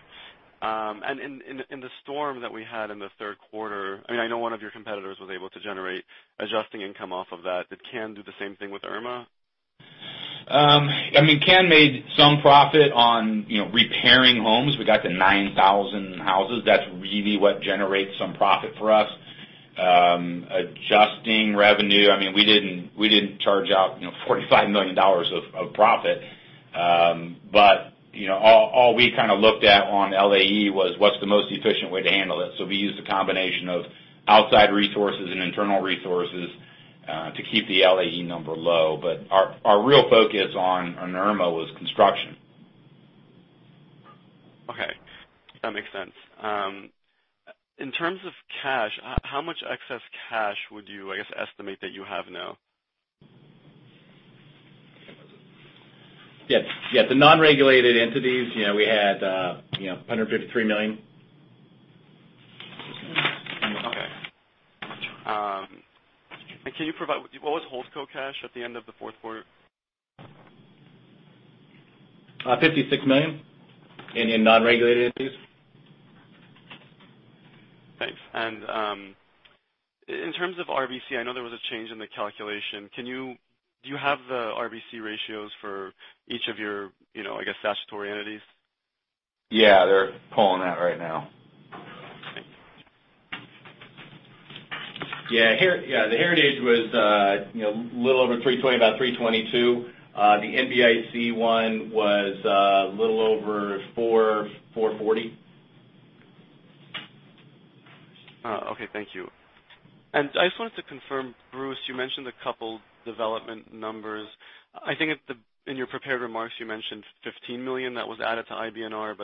In the storm that we had in the third quarter, I know one of your competitors was able to generate adjusting income off of that. Did CAN do the same thing with Irma? CAN made some profit on repairing homes. We got to 9,000 houses. That's really what generates some profit for us. Adjusting revenue, we didn't charge out $45 million of profit. All we kind of looked at on LAE was, what's the most efficient way to handle this? We used a combination of outside resources and internal resources to keep the LAE number low. Our real focus on Irma was construction. Okay. That makes sense. In terms of cash, how much excess cash would you, I guess, estimate that you have now? Yeah. The non-regulated entities, we had $153 million. Okay. Can you provide, what was Holdco cash at the end of the fourth quarter? $56 million in non-regulated entities. Thanks. In terms of RBC, I know there was a change in the calculation. Do you have the RBC ratios for each of your statutory entities? Yeah, they're pulling that right now. The Heritage was a little over 320, about 322. The NBIC one was a little over 440. Okay, thank you. I just wanted to confirm, Bruce, you mentioned a couple development numbers. I think in your prepared remarks, you mentioned $15 million that was added to IBNR,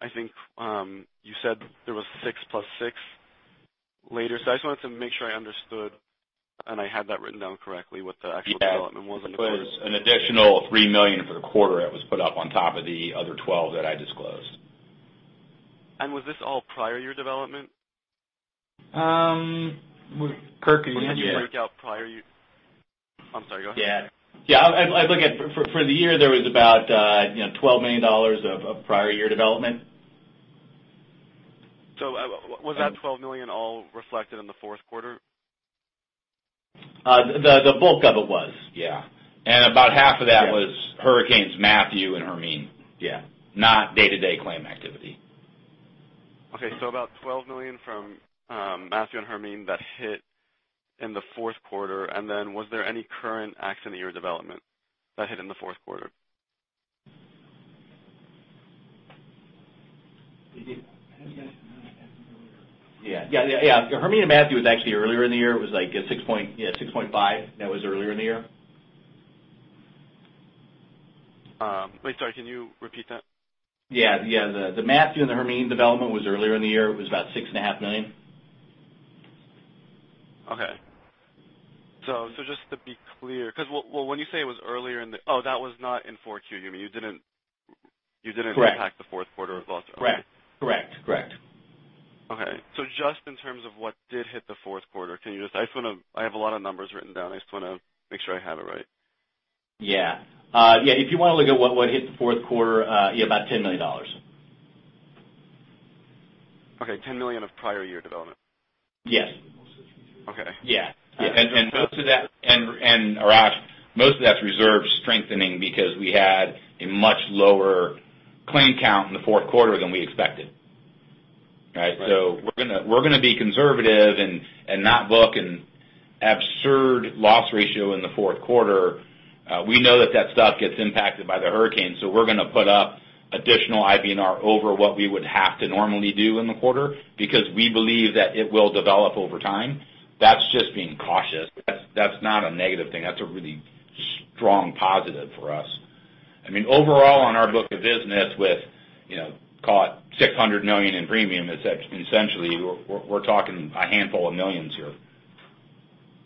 I think you said there was six plus six later. I just wanted to make sure I understood, and I had that written down correctly, what the actual development was in the quarter. It was an additional $3 million for the quarter that was put up on top of the other 12 that I disclosed. was this all prior year development? Kirk, are you- did you break out prior year. I'm sorry. Go ahead. Yeah. If I look at for the year, there was about $12 million of prior year development. was that $12 million all reflected in the fourth quarter? The bulk of it was, yeah. About half of that was Hurricanes Matthew and Hermine. Yeah. Not day-to-day claim activity. Okay. About $12 million from Matthew and Hermine that hit in the fourth quarter, was there any current accident year development that hit in the fourth quarter? Yeah. Hermine and Matthew was actually earlier in the year. It was like $6.5. That was earlier in the year. Wait, sorry, can you repeat that? Yeah. The Matthew and the Hermine development was earlier in the year. It was about $6.5 million. Okay. Just to be clear, because when you say it was earlier in the, oh, that was not in 4Q, you mean? Correct You didn't impact the fourth quarter as well. Correct. Okay. Just in terms of what did hit the fourth quarter, I have a lot of numbers written down. I just want to make sure I have it right. Yeah. If you want to look at what hit the fourth quarter, about $10 million. Okay. $10 million of prior year development. Yes. Okay. Yeah. Arash, most of that's reserve strengthening because we had a much lower claim count in the fourth quarter than we expected, right? We're going to be conservative and not book an absurd loss ratio in the fourth quarter. We know that stuff gets impacted by the hurricane, we're going to put up additional IBNR over what we would have to normally do in the quarter, because we believe that it will develop over time. That's just being cautious. That's not a negative thing. That's a really strong positive for us. Overall on our book of business with call it $600 million in premium, essentially, we're talking a handful of millions here.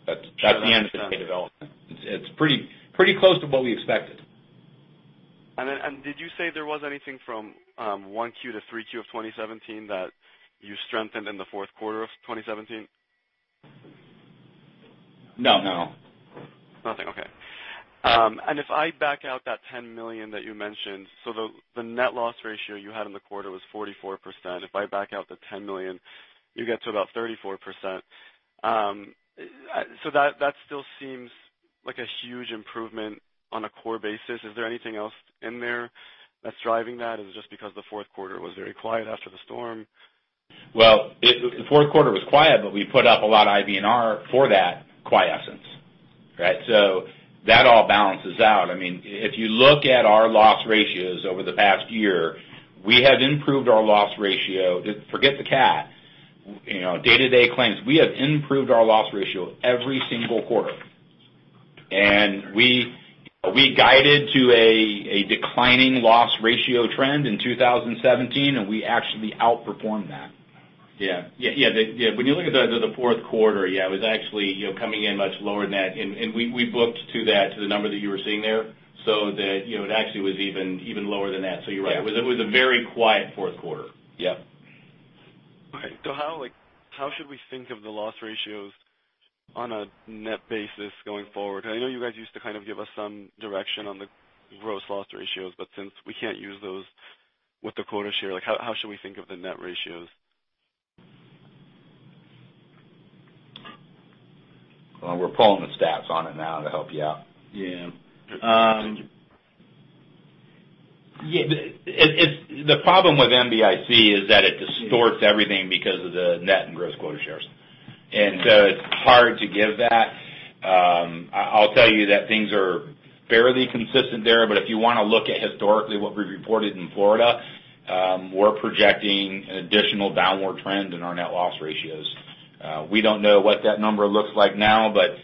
That's the end of state development. It's pretty close to what we expected. Did you say there was anything from 1Q to 3Q of 2017 that you strengthened in the fourth quarter of 2017? No. Nothing. Okay. If I back out that $10 million that you mentioned, the net loss ratio you had in the quarter was 44%. If I back out the $10 million, you get to about 34%. That still seems like a huge improvement on a core basis. Is there anything else in there that's driving that? Is it just because the fourth quarter was very quiet after the storm? Well, the fourth quarter was quiet, but we put up a lot of IBNR for that quiescence. That all balances out. If you look at our loss ratios over the past year, we have improved our loss ratio. Forget the CAT, day-to-day claims, we have improved our loss ratio every single quarter. We guided to a declining loss ratio trend in 2017, and we actually outperformed that. Yeah. When you look at the fourth quarter, it was actually coming in much lower than that, and we booked to that, to the number that you were seeing there, so that it actually was even lower than that. You're right. Yeah. It was a very quiet fourth quarter. Yep. All right. How should we think of the loss ratios on a net basis going forward? I know you guys used to kind of give us some direction on the gross loss ratios, but since we can't use those with the quota share, how should we think of the net ratios? Well, we're pulling the stats on it now to help you out. Yeah. The problem with NBIC is that it distorts everything because of the net and gross quota shares. It's hard to give that. I'll tell you that things are fairly consistent there, but if you want to look at historically what we've reported in Florida, we're projecting an additional downward trend in our net loss ratios. We don't know what that number looks like now, but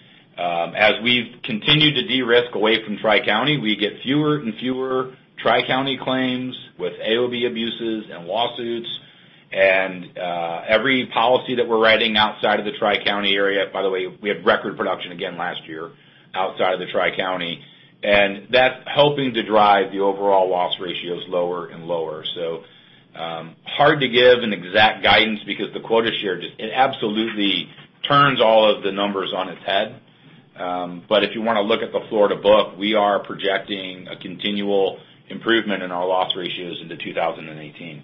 as we've continued to de-risk away from Tri-County, we get fewer and fewer Tri-County claims with AOB abuses and lawsuits. Every policy that we're writing outside of the Tri-County area, by the way, we had record production again last year outside of the Tri-County. That's helping to drive the overall loss ratios lower and lower. Hard to give an exact guidance because the quota share just absolutely turns all of the numbers on its head. If you want to look at the Florida book, we are projecting a continual improvement in our loss ratios into 2018.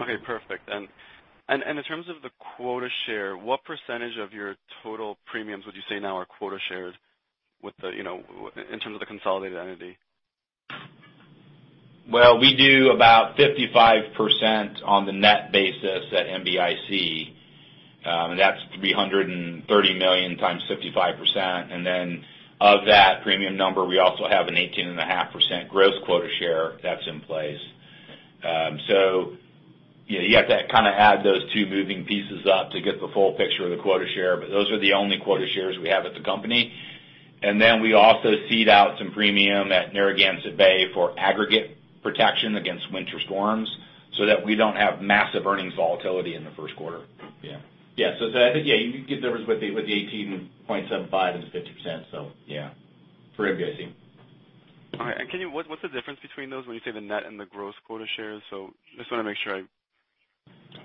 Okay, perfect. In terms of the quota share, what % of your total premiums would you say now are quota shares in terms of the consolidated entity? Well, we do about 55% on the net basis at NBIC. That's $330 million times 55%. Of that premium number, we also have an 18.5% gross quota share that's in place. You have to kind of add those two moving pieces up to get the full picture of the quota share, but those are the only quota shares we have at the company. We also seed out some premium at Narragansett Bay for aggregate protection against winter storms so that we don't have massive earnings volatility in the first quarter. Yeah. I think, yeah, you can get numbers with the 18.75% and the 50%. Yeah, for NBIC. All right. What's the difference between those when you say the net and the gross quota shares? I just want to make sure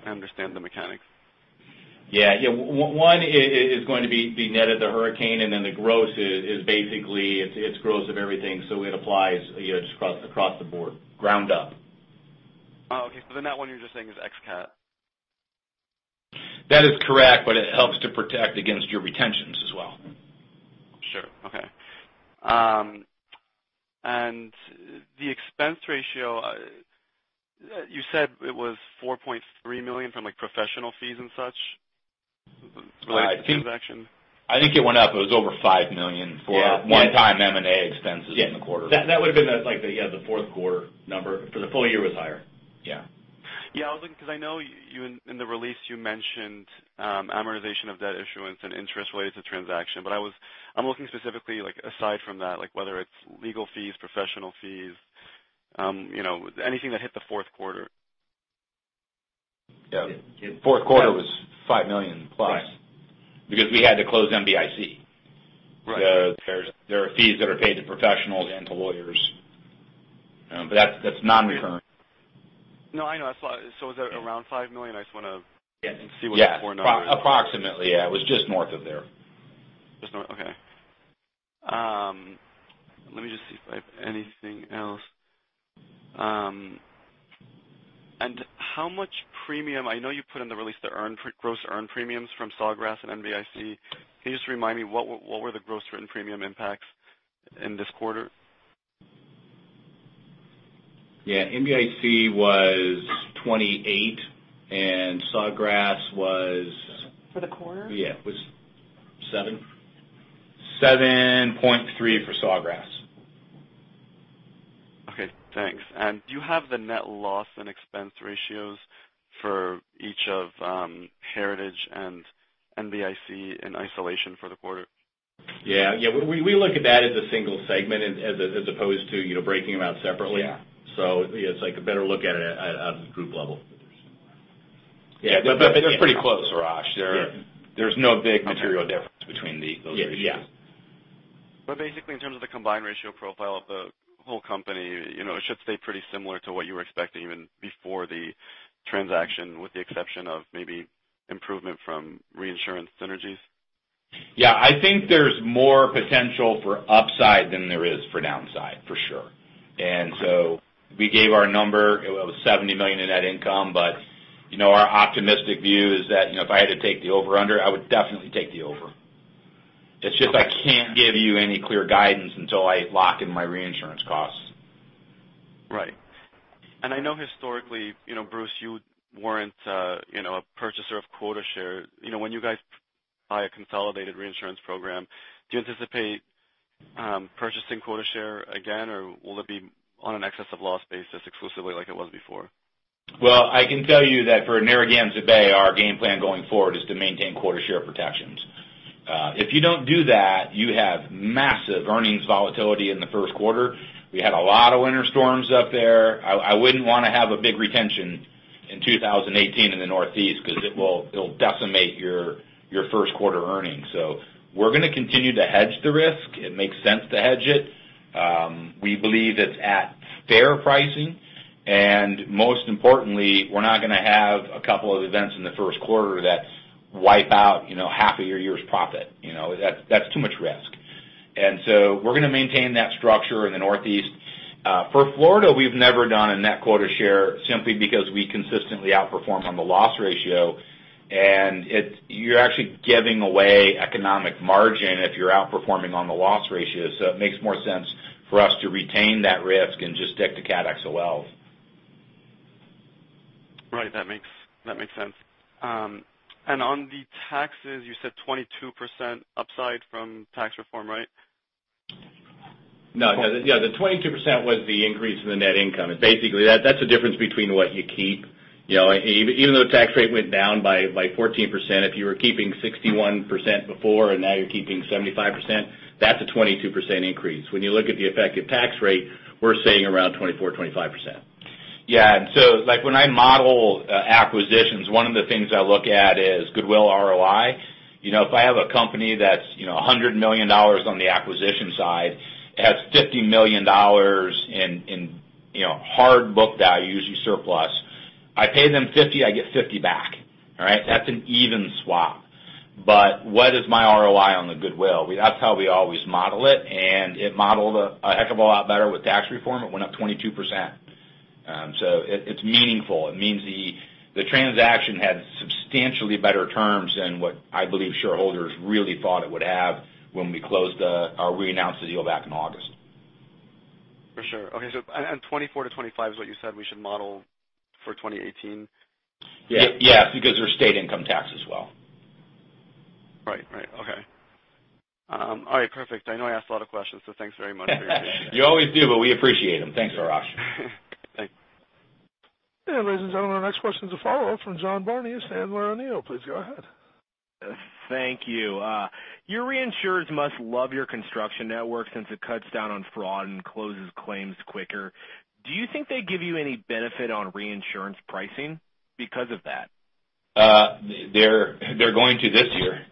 I understand the mechanics. Yeah. One is going to be the net of the hurricane, the gross is basically, it's gross of everything, it applies just across the board, ground up. Oh, okay. That one you're just saying is ex CAT? That is correct. It helps to protect against your retentions as well. Sure. Okay. The expense ratio, you said it was $4.3 million from professional fees and such related to the transaction. I think it went up. It was over $5 million for one-time M&A expenses in the quarter. That would've been like the fourth quarter number. For the full year, it was higher. Yeah. Yeah. I know in the release, you mentioned amortization of debt issuance and interest related to transaction. I'm looking specifically aside from that, whether it's legal fees, professional fees, anything that hit the fourth quarter. Yeah. Fourth quarter was $5 million- Plus. We had to close NBIC. Right. There are fees that are paid to professionals and to lawyers. That's non-recurring. No, I know. Was that around $5 million? I just want to see what the core number is. Yeah. Approximately, yeah. It was just north of there. Just north, okay. Let me just see if I have anything else. How much premium, I know you put in the release the gross earned premiums from Sawgrass and NBIC. Can you just remind me, what were the gross written premium impacts in this quarter? Yeah. NBIC was 28, and Sawgrass was- For the quarter? Yeah. It was seven? 7.3 for Sawgrass. Do you have the net loss and expense ratios for each of Heritage and NBIC in isolation for the quarter? Yeah. We look at that as a single segment, as opposed to breaking them out separately. Yeah. It's like a better look at it at a group level. They're pretty close, Arash Soleimani. There's no big material difference between those ratios. Yeah. Basically, in terms of the combined ratio profile of the whole company, it should stay pretty similar to what you were expecting even before the transaction, with the exception of maybe improvement from reinsurance synergies? Yeah. I think there's more potential for upside than there is for downside, for sure. We gave our number, it was $70 million in net income. Our optimistic view is that if I had to take the over-under, I would definitely take the over. It's just I can't give you any clear guidance until I lock in my reinsurance costs. Right. I know historically, Bruce, you weren't a purchaser of quota share. When you guys buy a consolidated reinsurance program, do you anticipate purchasing quota share again, or will it be on an excess of loss basis exclusively like it was before? I can tell you that for Narragansett Bay, our game plan going forward is to maintain quota share protections. If you don't do that, you have massive earnings volatility in the first quarter. We had a lot of winter storms up there. I wouldn't want to have a big retention in 2018 in the Northeast, because it'll decimate your first quarter earnings. We're going to continue to hedge the risk. It makes sense to hedge it. We believe it's at fair pricing, and most importantly, we're not going to have a couple of events in the first quarter that wipe out half of your year's profit. That's too much risk. We're going to maintain that structure in the Northeast. For Florida, we've never done a net quota share simply because we consistently outperform on the loss ratio, and you're actually giving away economic margin if you're outperforming on the loss ratio. It makes more sense for us to retain that risk and just stick to cat XOLs. Right. That makes sense. On the taxes, you said 22% upside from tax reform, right? No. The 22% was the increase in the net income. Basically, that's the difference between what you keep. Even though the tax rate went down by 14%, if you were keeping 61% before and now you're keeping 75%, that's a 22% increase. When you look at the effective tax rate, we're saying around 24%-25%. Yeah. When I model acquisitions, one of the things I look at is goodwill ROI. If I have a company that's $100 million on the acquisition side, it has $50 million in hard book value, usually surplus. I pay them $50, I get $50 back. All right? What is my ROI on the goodwill? That's how we always model it, and it modeled a heck of a lot better with tax reform. It went up 22%. It's meaningful. It means the transaction had substantially better terms than what I believe shareholders really thought it would have when we announced the deal back in August. For sure. Okay. 24-25 is what you said we should model for 2018? Yeah. Because there's state income tax as well. Right. Okay. All right, perfect. I know I asked a lot of questions, so thanks very much for your patience. You always do, but we appreciate them. Thanks, Arash. Thanks. Ladies and gentlemen, our next question is a follow-up from John Barnidge of Sandler O'Neill. Please go ahead. Thank you. Your reinsurers must love your construction network since it cuts down on fraud and closes claims quicker. Do you think they give you any benefit on reinsurance pricing because of that? They're going to this year.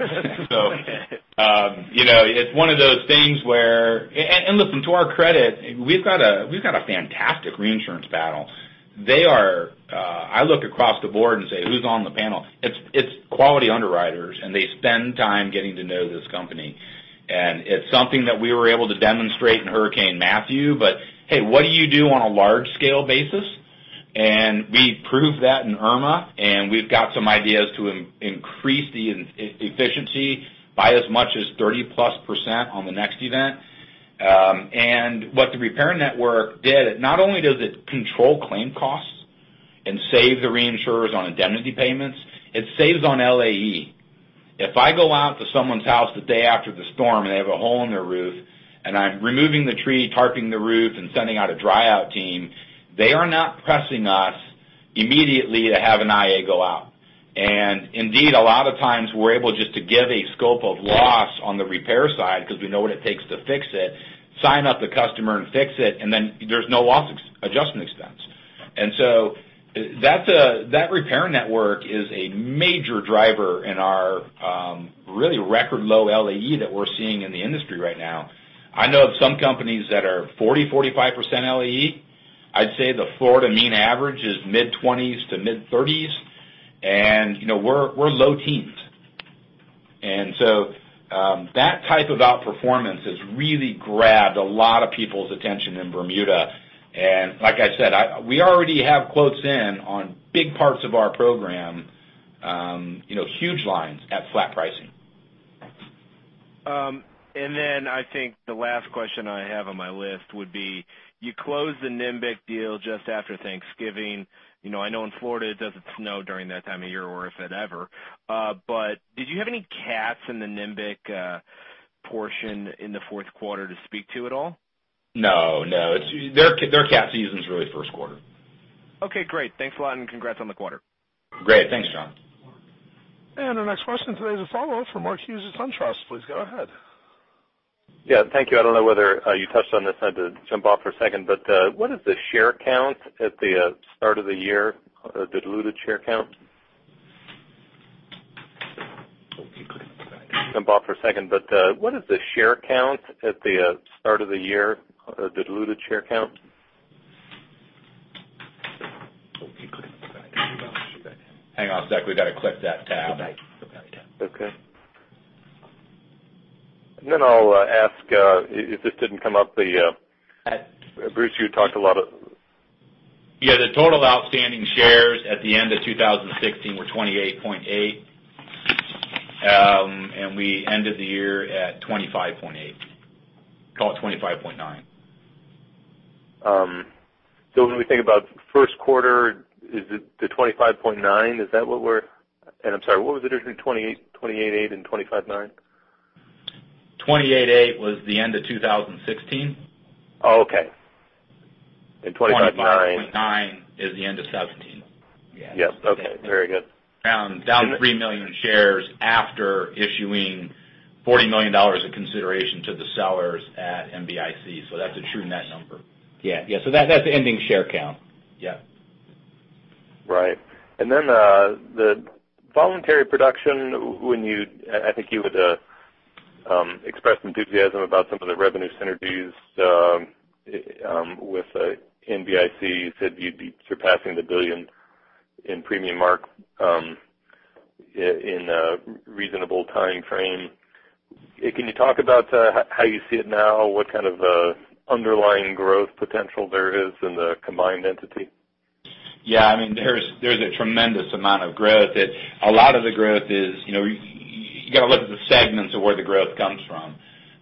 It's one of those things. Listen, to our credit, we've got a fantastic reinsurance panel. I look across the board and say, "Who's on the panel?" It's quality underwriters, and they spend time getting to know this company, and it's something that we were able to demonstrate in Hurricane Matthew. Hey, what do you do on a large-scale basis? We proved that in Irma, and we've got some ideas to increase the efficiency by as much as 30-plus% on the next event. What the repair network did, not only does it control claim costs and save the reinsurers on indemnity payments, it saves on LAE. If I go out to someone's house the day after the storm and they have a hole in their roof, and I'm removing the tree, tarping the roof, and sending out a dry-out team, they are not pressing us immediately to have an IA go out. Indeed, a lot of times, we're able just to give a scope of loss on the repair side because we know what it takes to fix it, sign up the customer and fix it, and then there's no loss adjustment expense. That repair network is a major driver in our really record low LAE that we're seeing in the industry right now. I know of some companies that are 40%-45% LAE. I'd say the Florida mean average is mid-20s to mid-30s, and we're low teens. That type of outperformance has really grabbed a lot of people's attention in Bermuda. Like I said, we already have quotes in on big parts of our program, huge lines at flat pricing. I think the last question I have on my list would be, you closed the NBIC deal just after Thanksgiving. I know in Florida it doesn't snow during that time of year, or if it ever. Did you have any cats in the NBIC portion in the fourth quarter to speak to at all? No. Their cat season's really first quarter. Okay, great. Thanks a lot. Congrats on the quarter. Great. Thanks, John. Our next question today is a follow-up from Mark Hughes at SunTrust. Please go ahead. Yeah. Thank you. I don't know whether you touched on this. I have to jump off for a second. What is the share count at the start of the year, the diluted share count? Hang on a sec, we've got to click that tab. Okay. Then I'll ask if this didn't come up, Bruce, you talked a lot- The total outstanding shares at the end of 2016 were 28.8, and we ended the year at 25.8. Call it 25.9. When we think about first quarter, is it the 25.9? Is that what we're I'm sorry, what was the difference between 28.8 and 25.9? 28.8 was the end of 2016. Oh, okay. 25.9? 25.9 is the end of 2017. Yeah. Yes. Okay. Very good. Around 3 million shares after issuing $40 million of consideration to the sellers at NBIC. That's a true net number. Yeah. That's the ending share count. Yeah. Right. The voluntary production, I think you had expressed enthusiasm about some of the revenue synergies with NBIC. You said you'd be surpassing the $1 billion in premium mark in a reasonable timeframe. Can you talk about how you see it now? What kind of underlying growth potential there is in the combined entity? Yeah. There's a tremendous amount of growth. A lot of the growth is, you've got to look at the segments of where the growth comes from.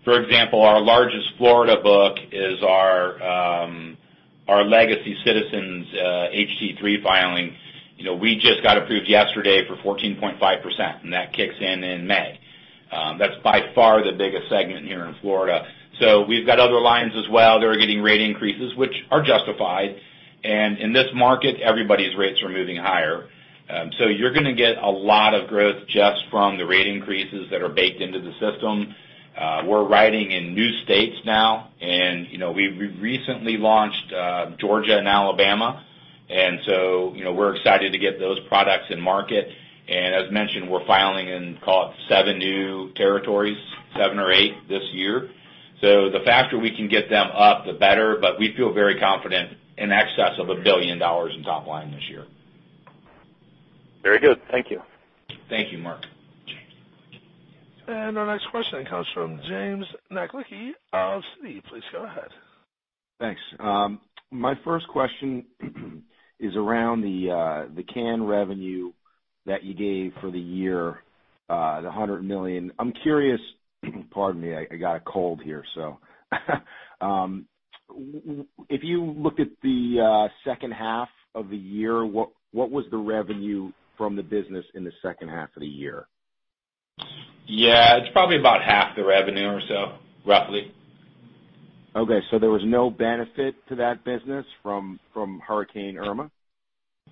For example, our largest Florida book is our legacy Citizens HO-3 filing. We just got approved yesterday for 14.5%, and that kicks in in May. That's by far the biggest segment here in Florida. We've got other lines as well that are getting rate increases, which are justified. In this market, everybody's rates are moving higher. You're going to get a lot of growth just from the rate increases that are baked into the system. We're riding in new states now, we recently launched Georgia and Alabama, we're excited to get those products in market. As mentioned, we're filing in, call it seven new territories, seven or eight this year. The faster we can get them up, the better, but we feel very confident in excess of $1 billion in top line this year. Very good. Thank you. Thank you, Mark. Our next question comes from James Naklicki of Citi. Please go ahead. Thanks. My first question is around the CAN revenue that you gave for the year, the $100 million. I'm curious, pardon me, I got a cold here, if you look at the second half of the year, what was the revenue from the business in the second half of the year? Yeah, it's probably about half the revenue or so, roughly. Okay. There was no benefit to that business from Hurricane Irma?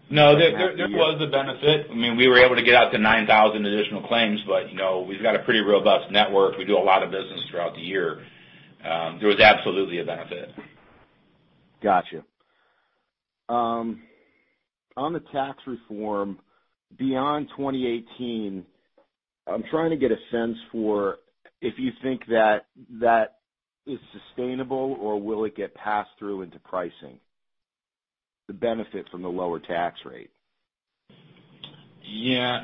No, there was a benefit. We were able to get out to 9,000 additional claims, we've got a pretty robust network. We do a lot of business throughout the year. There was absolutely a benefit. Got you. On the tax reform, beyond 2018, I am trying to get a sense for if you think that that is sustainable or will it get passed through into pricing, the benefit from the lower tax rate? Yeah.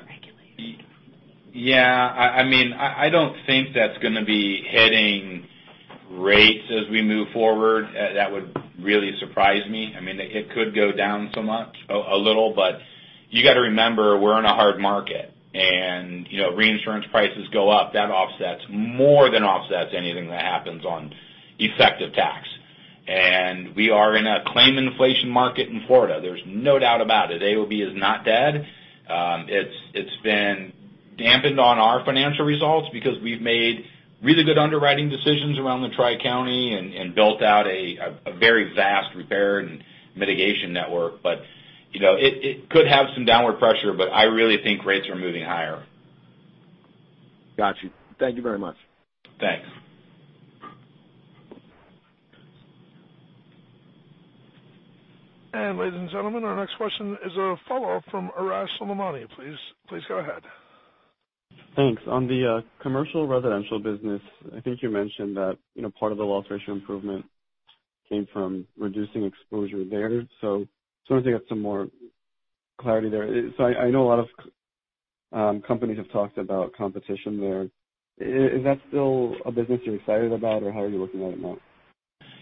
I don't think that's going to be hitting rates as we move forward. That would really surprise me. It could go down somewhat, a little, but you got to remember, we're in a hard market, and reinsurance prices go up. That offsets, more than offsets anything that happens on effective tax. We are in a claim inflation market in Florida. There's no doubt about it. AOB is not dead. It's been dampened on our financial results because we've made really good underwriting decisions around the Tri-County and built out a very vast repair and mitigation network. It could have some downward pressure, but I really think rates are moving higher. Got you. Thank you very much. Thanks. Ladies and gentlemen, our next question is a follow-up from Arash Soleimani. Please go ahead. Thanks. On the commercial residential business, I think you mentioned that part of the loss ratio improvement came from reducing exposure there. I just want to get some more clarity there. I know a lot of companies have talked about competition there. Is that still a business you're excited about, or how are you looking at it now?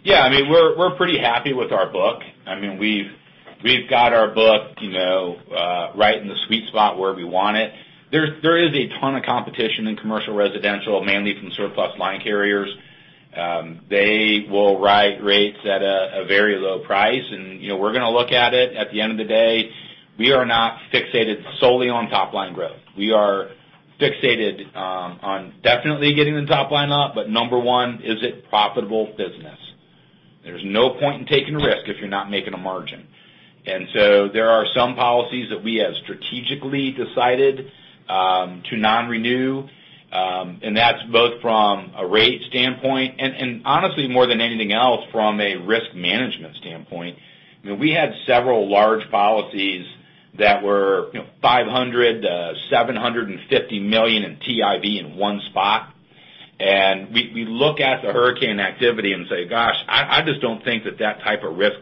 Yeah. We're pretty happy with our book. We've got our book right in the sweet spot where we want it. There is a ton of competition in commercial residential, mainly from surplus line carriers. They will write rates at a very low price, and we're going to look at it. At the end of the day, we are not fixated solely on top-line growth. We are fixated on definitely getting the top line up, but number one, is it profitable business? There's no point in taking a risk if you're not making a margin. There are some policies that we have strategically decided to non-renew, and that's both from a rate standpoint and honestly, more than anything else, from a risk management standpoint. We had several large policies that were $500 million-$750 million in TIV in one spot, and we look at the hurricane activity and say, "Gosh, I just don't think that type of risk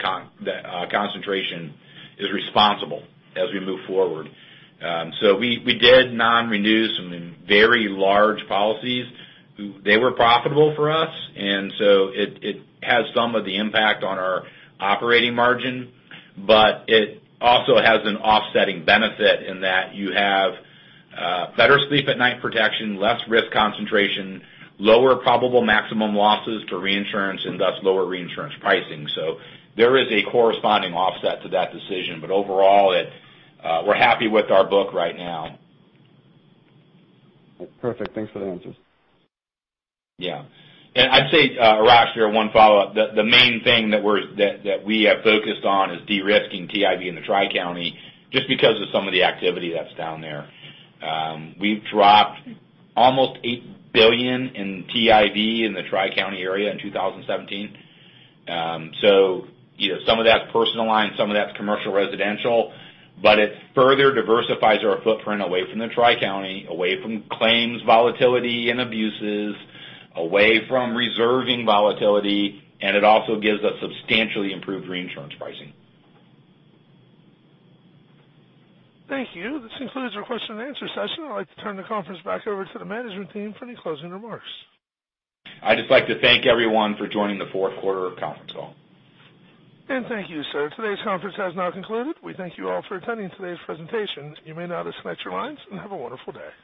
concentration is responsible as we move forward." We did non-renew some very large policies. They were profitable for us, it has some of the impact on our operating margin, but it also has an offsetting benefit in that you have better sleep-at-night protection, less risk concentration, lower probable maximum losses to reinsurance, and thus lower reinsurance pricing. There is a corresponding offset to that decision, but overall, we're happy with our book right now. Perfect. Thanks for the answers. Yeah. I'd say, Arash, here, one follow-up. The main thing that we have focused on is de-risking TIV in the Tri-County, just because of some of the activity that's down there. We've dropped almost $8 billion in TIV in the Tri-County area in 2017. Some of that's personal line, some of that's commercial residential, it further diversifies our footprint away from the Tri-County, away from claims volatility and abuses, away from reserving volatility, it also gives us substantially improved reinsurance pricing. Thank you. This concludes our question and answer session. I'd like to turn the conference back over to the management team for any closing remarks. I'd just like to thank everyone for joining the fourth quarter conference call. Thank you, sir. Today's conference has now concluded. We thank you all for attending today's presentation. You may now disconnect your lines, have a wonderful day.